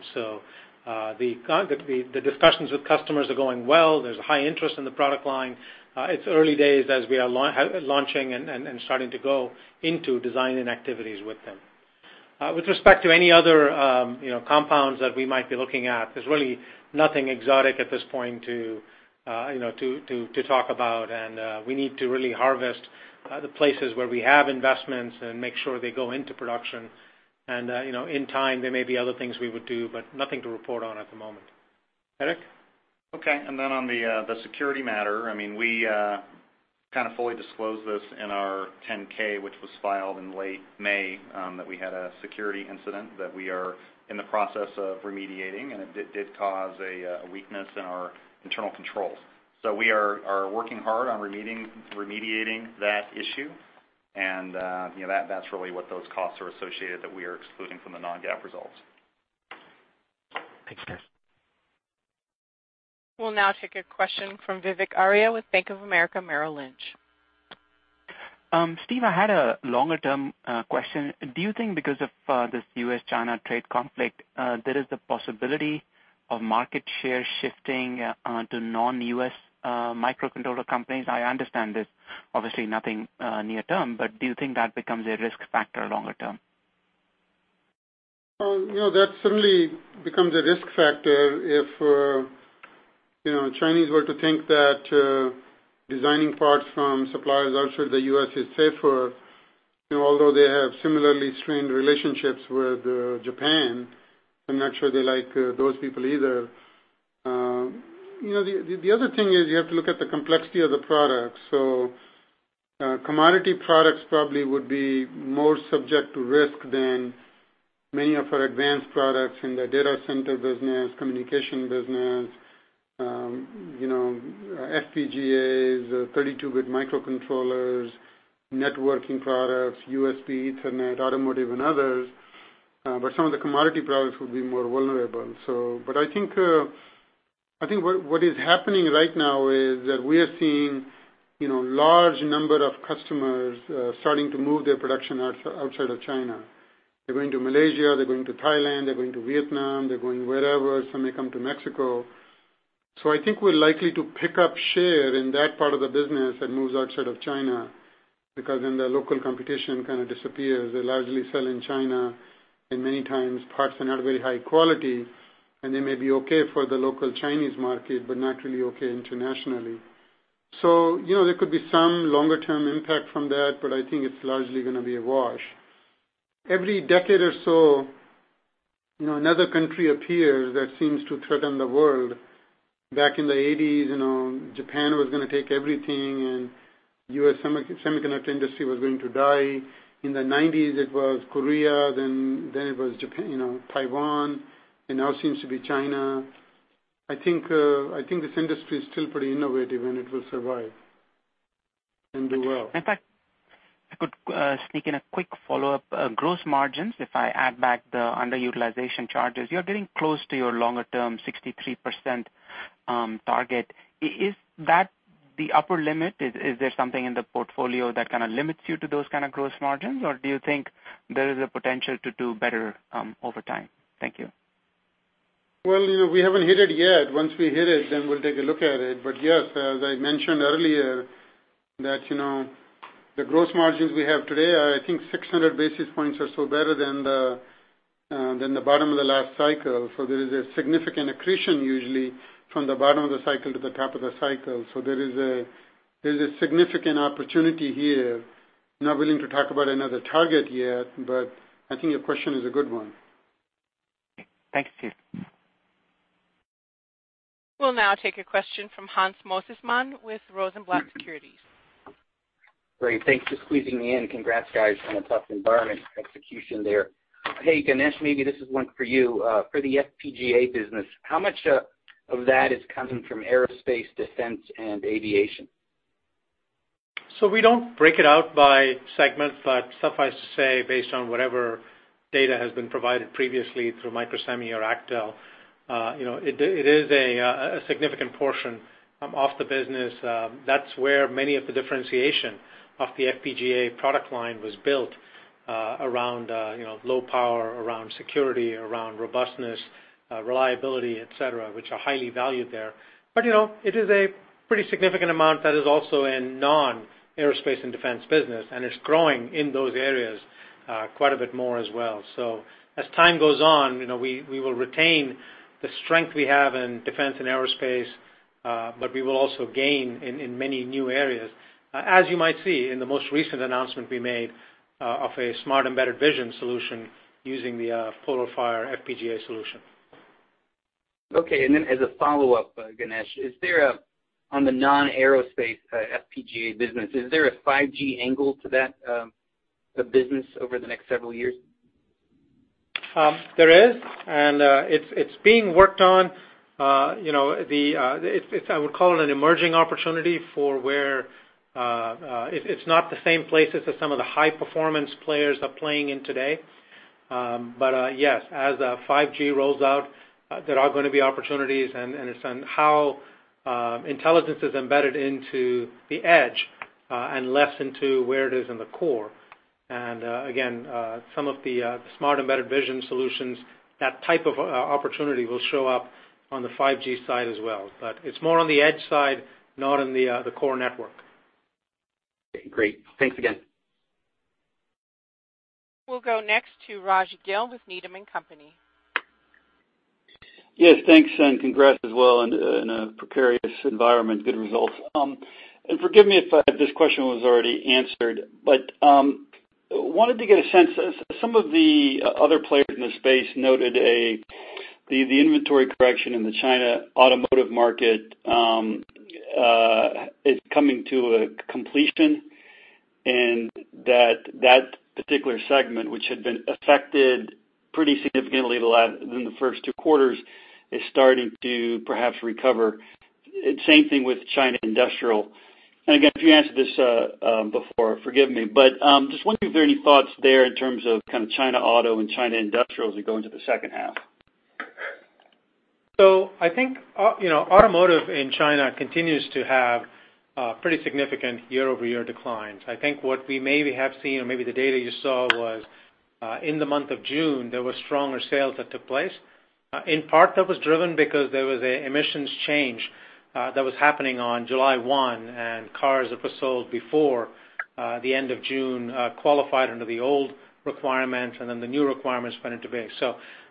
The discussions with customers are going well. There's a high interest in the product line. It's early days as we are launching and starting to go into design and activities with them. With respect to any other compounds that we might be looking at, there's really nothing exotic at this point to talk about. We need to really harvest the places where we have investments and make sure they go into production. In time, there may be other things we would do, but nothing to report on at the moment. Eric? On the security matter, we kind of fully disclosed this in our 10-K, which was filed in late May, that we had a security incident that we are in the process of remediating, and it did cause a weakness in our internal controls. We are working hard on remediating that issue, and that's really what those costs are associated that we are excluding from the non-GAAP results. Thanks, guys. We'll now take a question from Vivek Arya with Bank of America Merrill Lynch. Steve, I had a longer-term question. Do you think because of this U.S.-China trade conflict, there is the possibility of market share shifting to non-U.S. microcontroller companies? I understand it's obviously nothing near term, but do you think that becomes a risk factor longer term? That certainly becomes a risk factor if Chinese were to think that designing parts from suppliers outside the U.S. is safer, although they have similarly strained relationships with Japan. I'm not sure they like those people either. The other thing is you have to look at the complexity of the product. Commodity products probably would be more subject to risk than many of our advanced products in the data center business, communication business, FPGAs, 32-bit microcontrollers, networking products, USB, Ethernet, automotive, and others. Some of the commodity products would be more vulnerable. I think what is happening right now is that we are seeing large number of customers starting to move their production outside of China. They're going to Malaysia, they're going to Thailand, they're going to Vietnam, they're going wherever. Some may come to Mexico. I think we're likely to pick up share in that part of the business that moves outside of China, because then the local competition kind of disappears. They largely sell in China, and many times parts are not very high quality, and they may be okay for the local Chinese market, but not really okay internationally. There could be some longer term impact from that, but I think it's largely going to be a wash. Every decade or so, another country appears that seems to threaten the world. Back in the '80s, Japan was going to take everything, and U.S. semiconductor industry was going to die. In the '90s, it was Korea, then it was Taiwan, and now it seems to be China. I think this industry is still pretty innovative, and it will survive and do well. In fact, I could sneak in a quick follow-up. Gross margins, if I add back the underutilization charges, you're getting close to your longer term 63% target. Is that the upper limit? Is there something in the portfolio that kind of limits you to those kind of gross margins? Do you think there is a potential to do better over time? Thank you. Well, we haven't hit it yet. Once we hit it, we'll take a look at it. Yes, as I mentioned earlier that the gross margins we have today are I think 600 basis points or so better than the bottom of the last cycle. There is a significant accretion usually from the bottom of the cycle to the top of the cycle. There is a significant opportunity here. Not willing to talk about another target yet, I think your question is a good one. Thanks. We'll now take a question from Hans Mosesmann with Rosenblatt Securities. Great. Thanks for squeezing me in. Congrats, guys, on a tough environment, execution there. Hey, Ganesh, maybe this is one for you. For the FPGA business, how much of that is coming from aerospace, defense, and aviation? We don't break it out by segment, but suffice to say, based on whatever data has been provided previously through Microsemi or Actel, it is a significant portion of the business. That's where many of the differentiation of the FPGA product line was built, around low power, around security, around robustness, reliability, et cetera, which are highly valued there. It is a pretty significant amount that is also in non-aerospace and defense business, and it's growing in those areas quite a bit more as well. As time goes on, we will retain the strength we have in defense and aerospace, but we will also gain in many new areas. As you might see in the most recent announcement we made of a smart embedded vision solution using the PolarFire FPGA solution. Okay, as a follow-up, Ganesh, on the non-aerospace FPGA business, is there a 5G angle to that business over the next several years? There is, and it's being worked on. I would call it an emerging opportunity for where it's not the same places as some of the high-performance players are playing in today. Yes, as 5G rolls out, there are going to be opportunities, and it's on how intelligence is embedded into the edge, and less into where it is in the core. Again, some of the smart embedded vision solutions, that type of opportunity will show up on the 5G side as well, but it's more on the edge side, not on the core network. Great. Thanks again. We'll go next to Rajvindra Gill with Needham & Company. Yes. Thanks, congrats as well in a precarious environment, good results. Forgive me if this question was already answered, but wanted to get a sense, as some of the other players in the space noted the inventory correction in the China automotive market is coming to a completion, and that that particular segment, which had been affected pretty significantly in the first two quarters, is starting to perhaps recover. Same thing with China industrial. Again, if you answered this before, forgive me, but just wondering if there are any thoughts there in terms of China auto and China industrial as we go into the second half. I think automotive in China continues to have pretty significant year-over-year declines. I think what we maybe have seen or maybe the data you saw was in the month of June, there were stronger sales that took place. In part, that was driven because there was an emissions change that was happening on July 1, and cars that were sold before the end of June qualified under the old requirement, and then the new requirements went into place.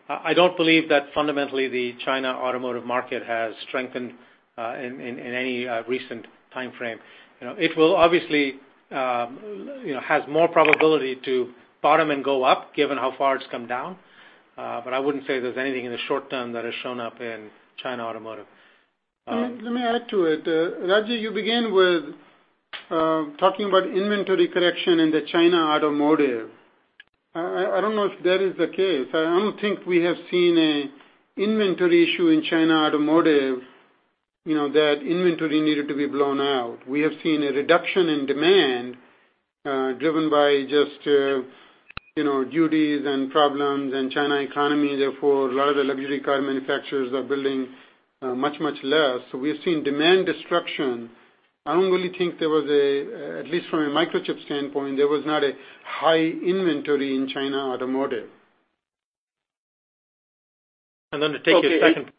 I don't believe that fundamentally the China automotive market has strengthened in any recent timeframe. It obviously has more probability to bottom and go up given how far it's come down. I wouldn't say there's anything in the short term that has shown up in China automotive. Let me add to it. Raj, you began with talking about inventory correction in the China automotive. I don't know if that is the case. I don't think we have seen an inventory issue in China automotive, that inventory needed to be blown out. We have seen a reduction in demand-Driven by just duties and problems in China economy. A lot of the luxury car manufacturers are building much, much less. We've seen demand destruction. I don't really think, at least from a Microchip standpoint, there was not a high inventory in China automotive. I'm going to take your second-.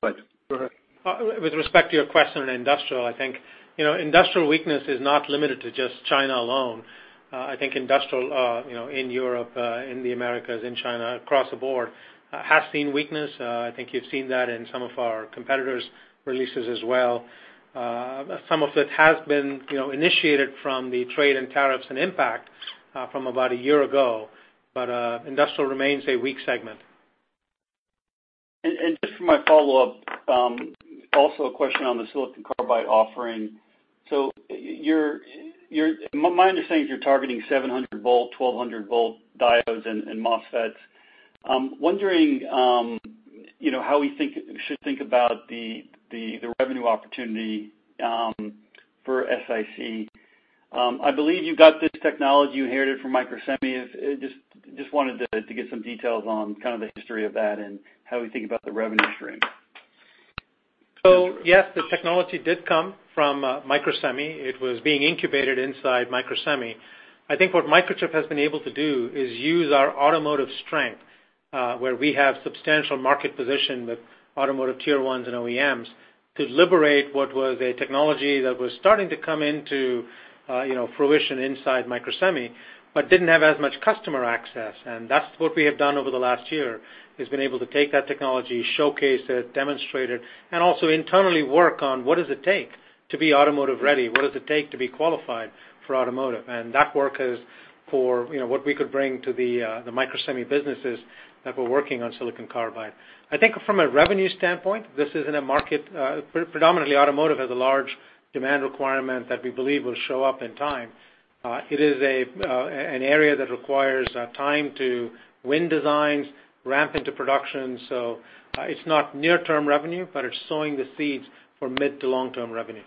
Go ahead. With respect to your question on industrial, I think industrial weakness is not limited to just China alone. I think industrial in Europe, in the Americas, in China, across the board, has seen weakness. I think you've seen that in some of our competitors' releases as well. Some of it has been initiated from the trade and tariffs on impact from about a year ago. Industrial remains a weak segment. Just for my follow-up, also a question on the silicon carbide offering. My understanding is you're targeting 700 volt, 1,200 volt diodes and MOSFETs. I'm wondering how we should think about the revenue opportunity for SiC. I believe you got this technology, you inherited from Microsemi. Just wanted to get some details on kind of the history of that and how we think about the revenue stream. Yes, the technology did come from Microsemi. It was being incubated inside Microsemi. I think what Microchip has been able to do is use our automotive strength, where we have substantial market position with automotive tier 1s and OEMs, to liberate what was a technology that was starting to come into fruition inside Microsemi, but didn't have as much customer access. That's what we have done over the last one year, is been able to take that technology, showcase it, demonstrate it, and also internally work on what does it take to be automotive ready, what does it take to be qualified for automotive? That work is for what we could bring to the Microsemi businesses that were working on silicon carbide. I think from a revenue standpoint, this isn't a market, predominantly automotive has a large demand requirement that we believe will show up in time. It is an area that requires time to win designs, ramp into production. It's not near-term revenue, but it's sowing the seeds for mid to long-term revenue.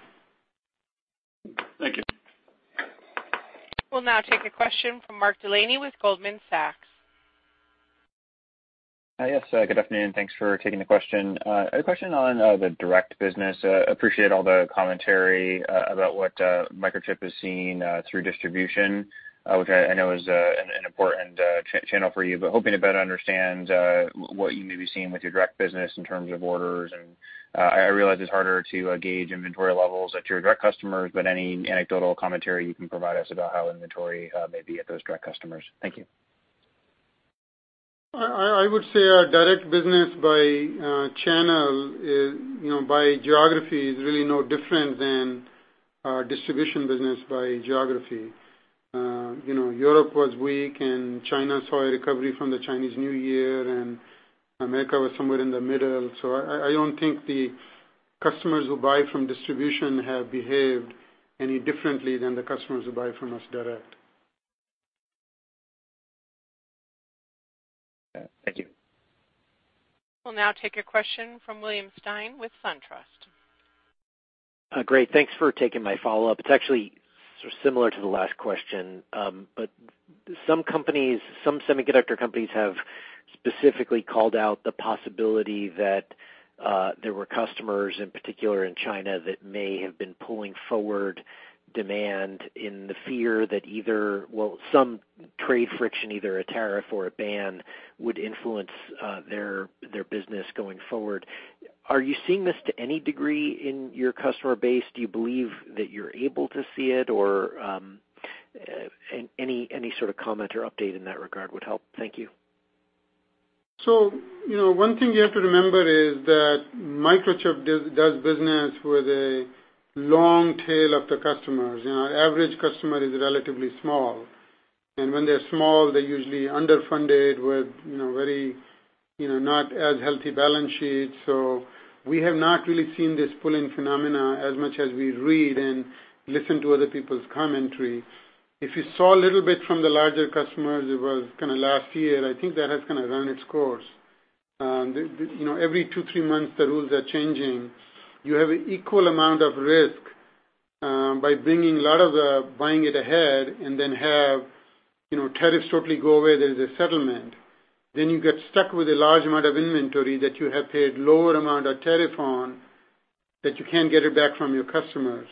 Thank you. We'll now take a question from Mark Delaney with Goldman Sachs. Yes. Good afternoon. Thanks for taking the question. A question on the direct business. Appreciate all the commentary about what Microchip is seeing through distribution, which I know is an important channel for you, but hoping to better understand what you may be seeing with your direct business in terms of orders, and I realize it's harder to gauge inventory levels at your direct customers, but any anecdotal commentary you can provide us about how inventory may be at those direct customers. Thank you. I would say our direct business by channel, by geography, is really no different than our distribution business by geography. Europe was weak. China saw a recovery from the Chinese New Year. America was somewhere in the middle. I don't think the customers who buy from distribution have behaved any differently than the customers who buy from us direct. Thank you. We'll now take a question from William Stein with SunTrust. Great. Thanks for taking my follow-up. It's actually sort of similar to the last question. Some semiconductor companies have specifically called out the possibility that there were customers, in particular in China, that may have been pulling forward demand in the fear that either, well, some trade friction, either a tariff or a ban, would influence their business going forward. Are you seeing this to any degree in your customer base? Do you believe that you're able to see it, or any sort of comment or update in that regard would help? Thank you. One thing you have to remember is that Microchip does business with a long tail of the customers. Our average customer is relatively small. When they're small, they're usually underfunded with very not as healthy balance sheets. We have not really seen this pulling phenomena as much as we read and listen to other people's commentary. If you saw a little bit from the larger customers, it was kind of last year, I think that has kind of run its course. Every two, three months, the rules are changing. You have an equal amount of risk by bringing a lot of the buying it ahead and then have tariffs totally go away, there's a settlement. You get stuck with a large amount of inventory that you have paid lower amount of tariff on that you can't get it back from your customers.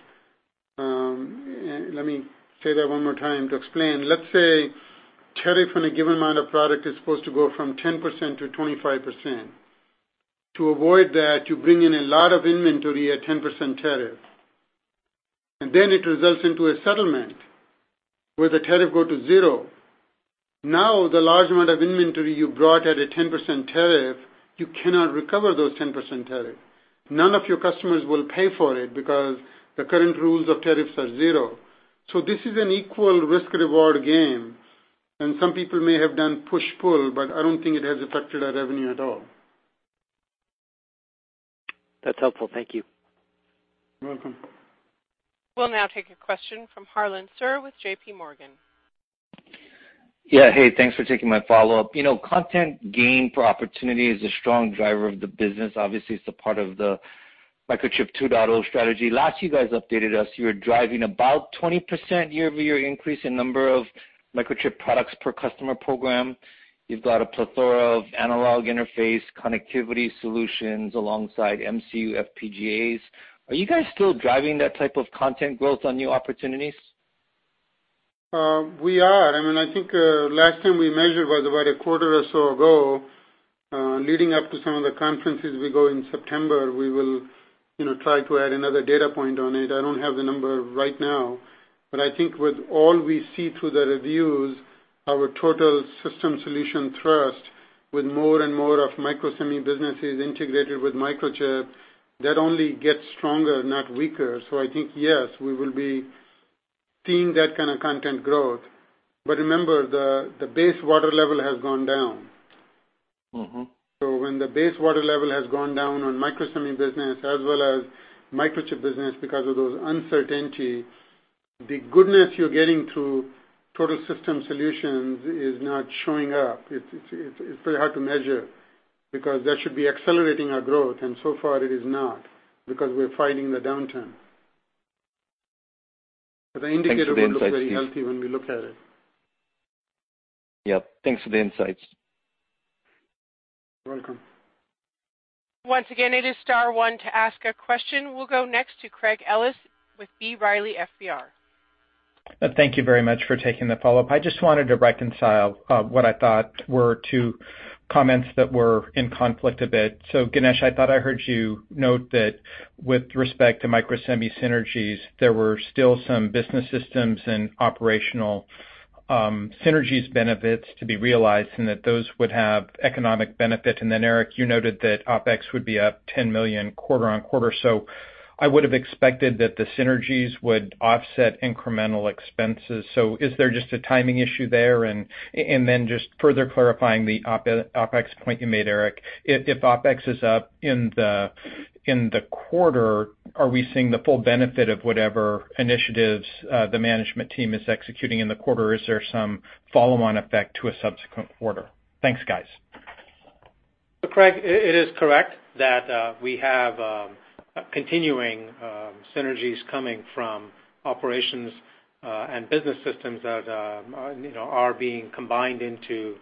Let me say that one more time to explain. Let's say tariff on a given amount of product is supposed to go from 10% to 25%. To avoid that, you bring in a lot of inventory at 10% tariff. It results into a settlement where the tariff go to 0. The large amount of inventory you brought at a 10% tariff, you cannot recover those 10% tariff. None of your customers will pay for it because the current rules of tariffs are 0. This is an equal risk-reward game, and some people may have done push-pull, but I don't think it has affected our revenue at all. That's helpful. Thank you. You're welcome. We'll now take a question from Harlan Sur with J.P. Morgan. Yeah. Hey, thanks for taking my follow-up. Content gain for opportunity is a strong driver of the business. Obviously, it's a part of the Microchip 2.0 strategy. Last you guys updated us, you were driving about 20% year-over-year increase in number of Microchip products per customer program. You've got a plethora of analog interface connectivity solutions alongside MCU FPGAs. Are you guys still driving that type of content growth on new opportunities? We are. I think, last time we measured was about a quarter or so ago, leading up to some of the conferences we go in September, we will try to add another data point on it. I don't have the number right now, but I think with all we see through the reviews, our total system solution thrust with more and more of Microsemi businesses integrated with Microchip, that only gets stronger, not weaker. I think yes, we will be seeing that kind of content growth. Remember, the base water level has gone down. When the base water level has gone down on Microsemi business as well as Microchip business because of those uncertainty, the goodness you're getting through total system solutions is not showing up. It's pretty hard to measure, because that should be accelerating our growth, and so far it is not, because we're fighting the downturn. The indicator would look very healthy when we look at it. Yep. Thanks for the insights. You're welcome. Once again, it is star one to ask a question. We'll go next to Craig Ellis with B. Riley FBR. Thank you very much for taking the follow-up. I just wanted to reconcile what I thought were two comments that were in conflict a bit. Ganesh, I thought I heard you note that with respect to Microsemi synergies, there were still some business systems and operational synergies benefits to be realized, and that those would have economic benefit. Eric, you noted that OpEx would be up $10 million quarter-on-quarter. I would've expected that the synergies would offset incremental expenses. Is there just a timing issue there? Just further clarifying the OpEx point you made, Eric, if OpEx is up in the quarter, are we seeing the full benefit of whatever initiatives the management team is executing in the quarter, or is there some follow-on effect to a subsequent quarter? Thanks, guys. Craig, it is correct that we have continuing synergies coming from operations and business systems that are being combined into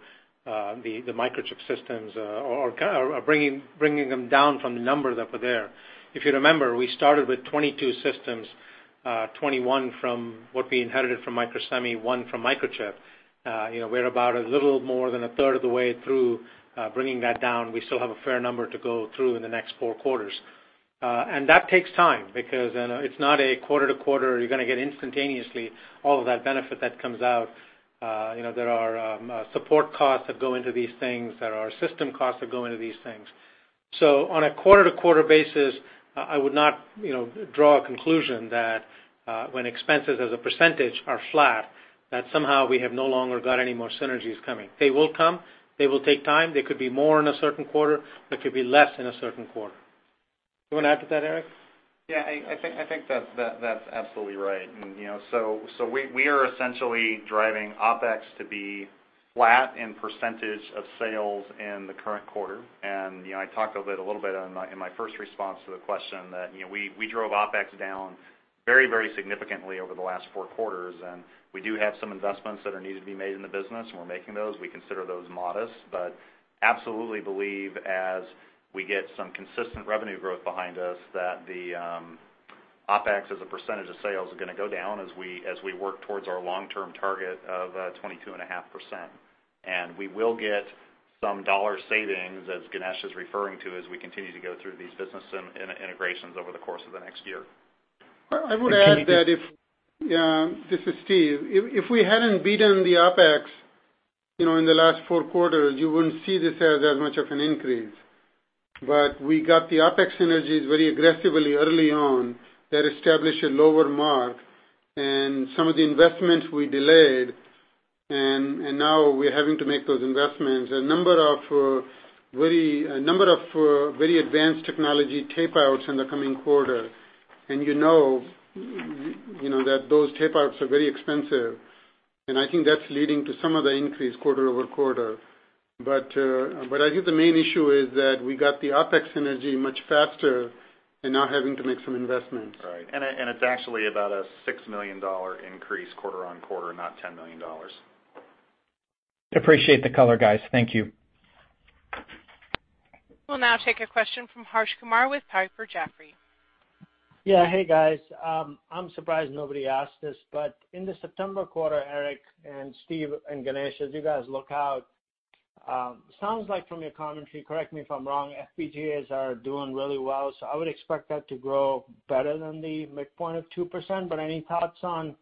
the Microchip systems, or bringing them down from the numbers that were there. If you remember, we started with 22 systems, 21 from what we inherited from Microsemi, one from Microchip. We're about a little more than a third of the way through bringing that down. We still have a fair number to go through in the next four quarters. That takes time because it's not a quarter to quarter, you're going to get instantaneously all of that benefit that comes out. There are support costs that go into these things. There are system costs that go into these things. On a quarter-to-quarter basis, I would not draw a conclusion that when expenses as a percentage are flat, that somehow we have no longer got any more synergies coming. They will come, they will take time, they could be more in a certain quarter, they could be less in a certain quarter. You want to add to that, Eric? Yeah, I think that's absolutely right. We are essentially driving OpEx to be flat in % of sales in the current quarter. I talked a little bit in my first response to the question that we drove OpEx down very significantly over the last four quarters, and we do have some investments that are needed to be made in the business, and we're making those. We consider those modest, absolutely believe as we get some consistent revenue growth behind us, that the OpEx as a % of sales is going to go down as we work towards our long-term target of 22.5%. We will get some dollar savings, as Ganesh is referring to, as we continue to go through these business integrations over the course of the next year. I would add that if This is Steve. If we hadn't beaten the OpEx in the last four quarters, you wouldn't see this as that much of an increase. We got the OpEx synergies very aggressively early on that established a lower mark, and some of the investments we delayed, and now we're having to make those investments. A number of very advanced technology tape outs in the coming quarter, and you know that those tape outs are very expensive, and I think that's leading to some of the increase quarter-over-quarter. I think the main issue is that we got the OpEx synergy much faster and now having to make some investments. Right. It's actually about a $6 million increase quarter-on-quarter, not $10 million. Appreciate the color, guys. Thank you. We'll now take a question from Harsh Kumar with Piper Jaffray. Yeah. Hey, guys. I'm surprised nobody asked this, but in the September quarter, Eric and Steve and Ganesh, as you guys look out, sounds like from your commentary, correct me if I'm wrong, FPGAs are doing really well, so I would expect that to grow better than the midpoint of 2%, but any thoughts on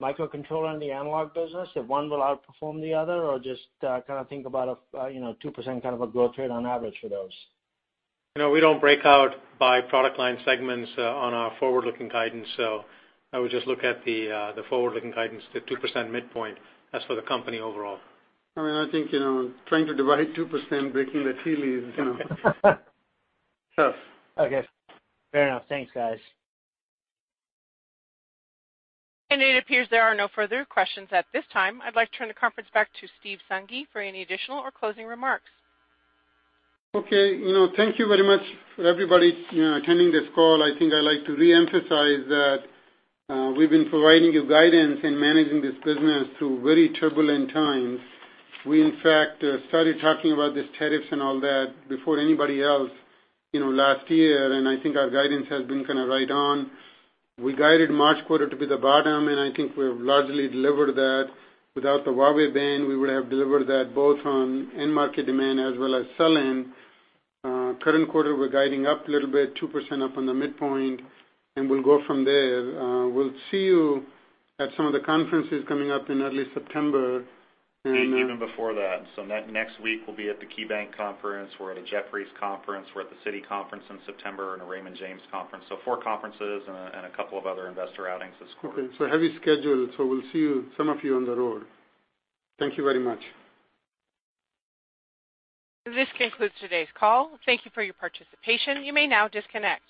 microcontroller and the analog business, if one will outperform the other, or just kind of think about a 2% kind of a growth rate on average for those? We don't break out by product line segments on our forward-looking guidance, so I would just look at the forward-looking guidance, the 2% midpoint. That's for the company overall. I think trying to divide 2%, breaking the tea leaves. Tough. Okay. Fair enough. Thanks, guys. It appears there are no further questions at this time. I'd like to turn the conference back to Steve Sanghi for any additional or closing remarks. Okay. Thank you very much for everybody attending this call. I think I'd like to reemphasize that we've been providing you guidance in managing this business through very turbulent times. We, in fact, started talking about these tariffs and all that before anybody else last year, and I think our guidance has been kind of right on. We guided March quarter to be the bottom, and I think we've largely delivered that. Without the Huawei ban, we would have delivered that both on end market demand as well as sell-in. Current quarter, we're guiding up a little bit, 2% up on the midpoint, and we'll go from there. We'll see you at some of the conferences coming up in early September. Even before that. Next week, we'll be at the KeyBanc conference, we're at a Jefferies conference, we're at the Citi conference in September, and a Raymond James conference. Four conferences and a couple of other investor outings this quarter. Okay, a heavy schedule. We'll see some of you on the road. Thank you very much. This concludes today's call. Thank you for your participation. You may now disconnect.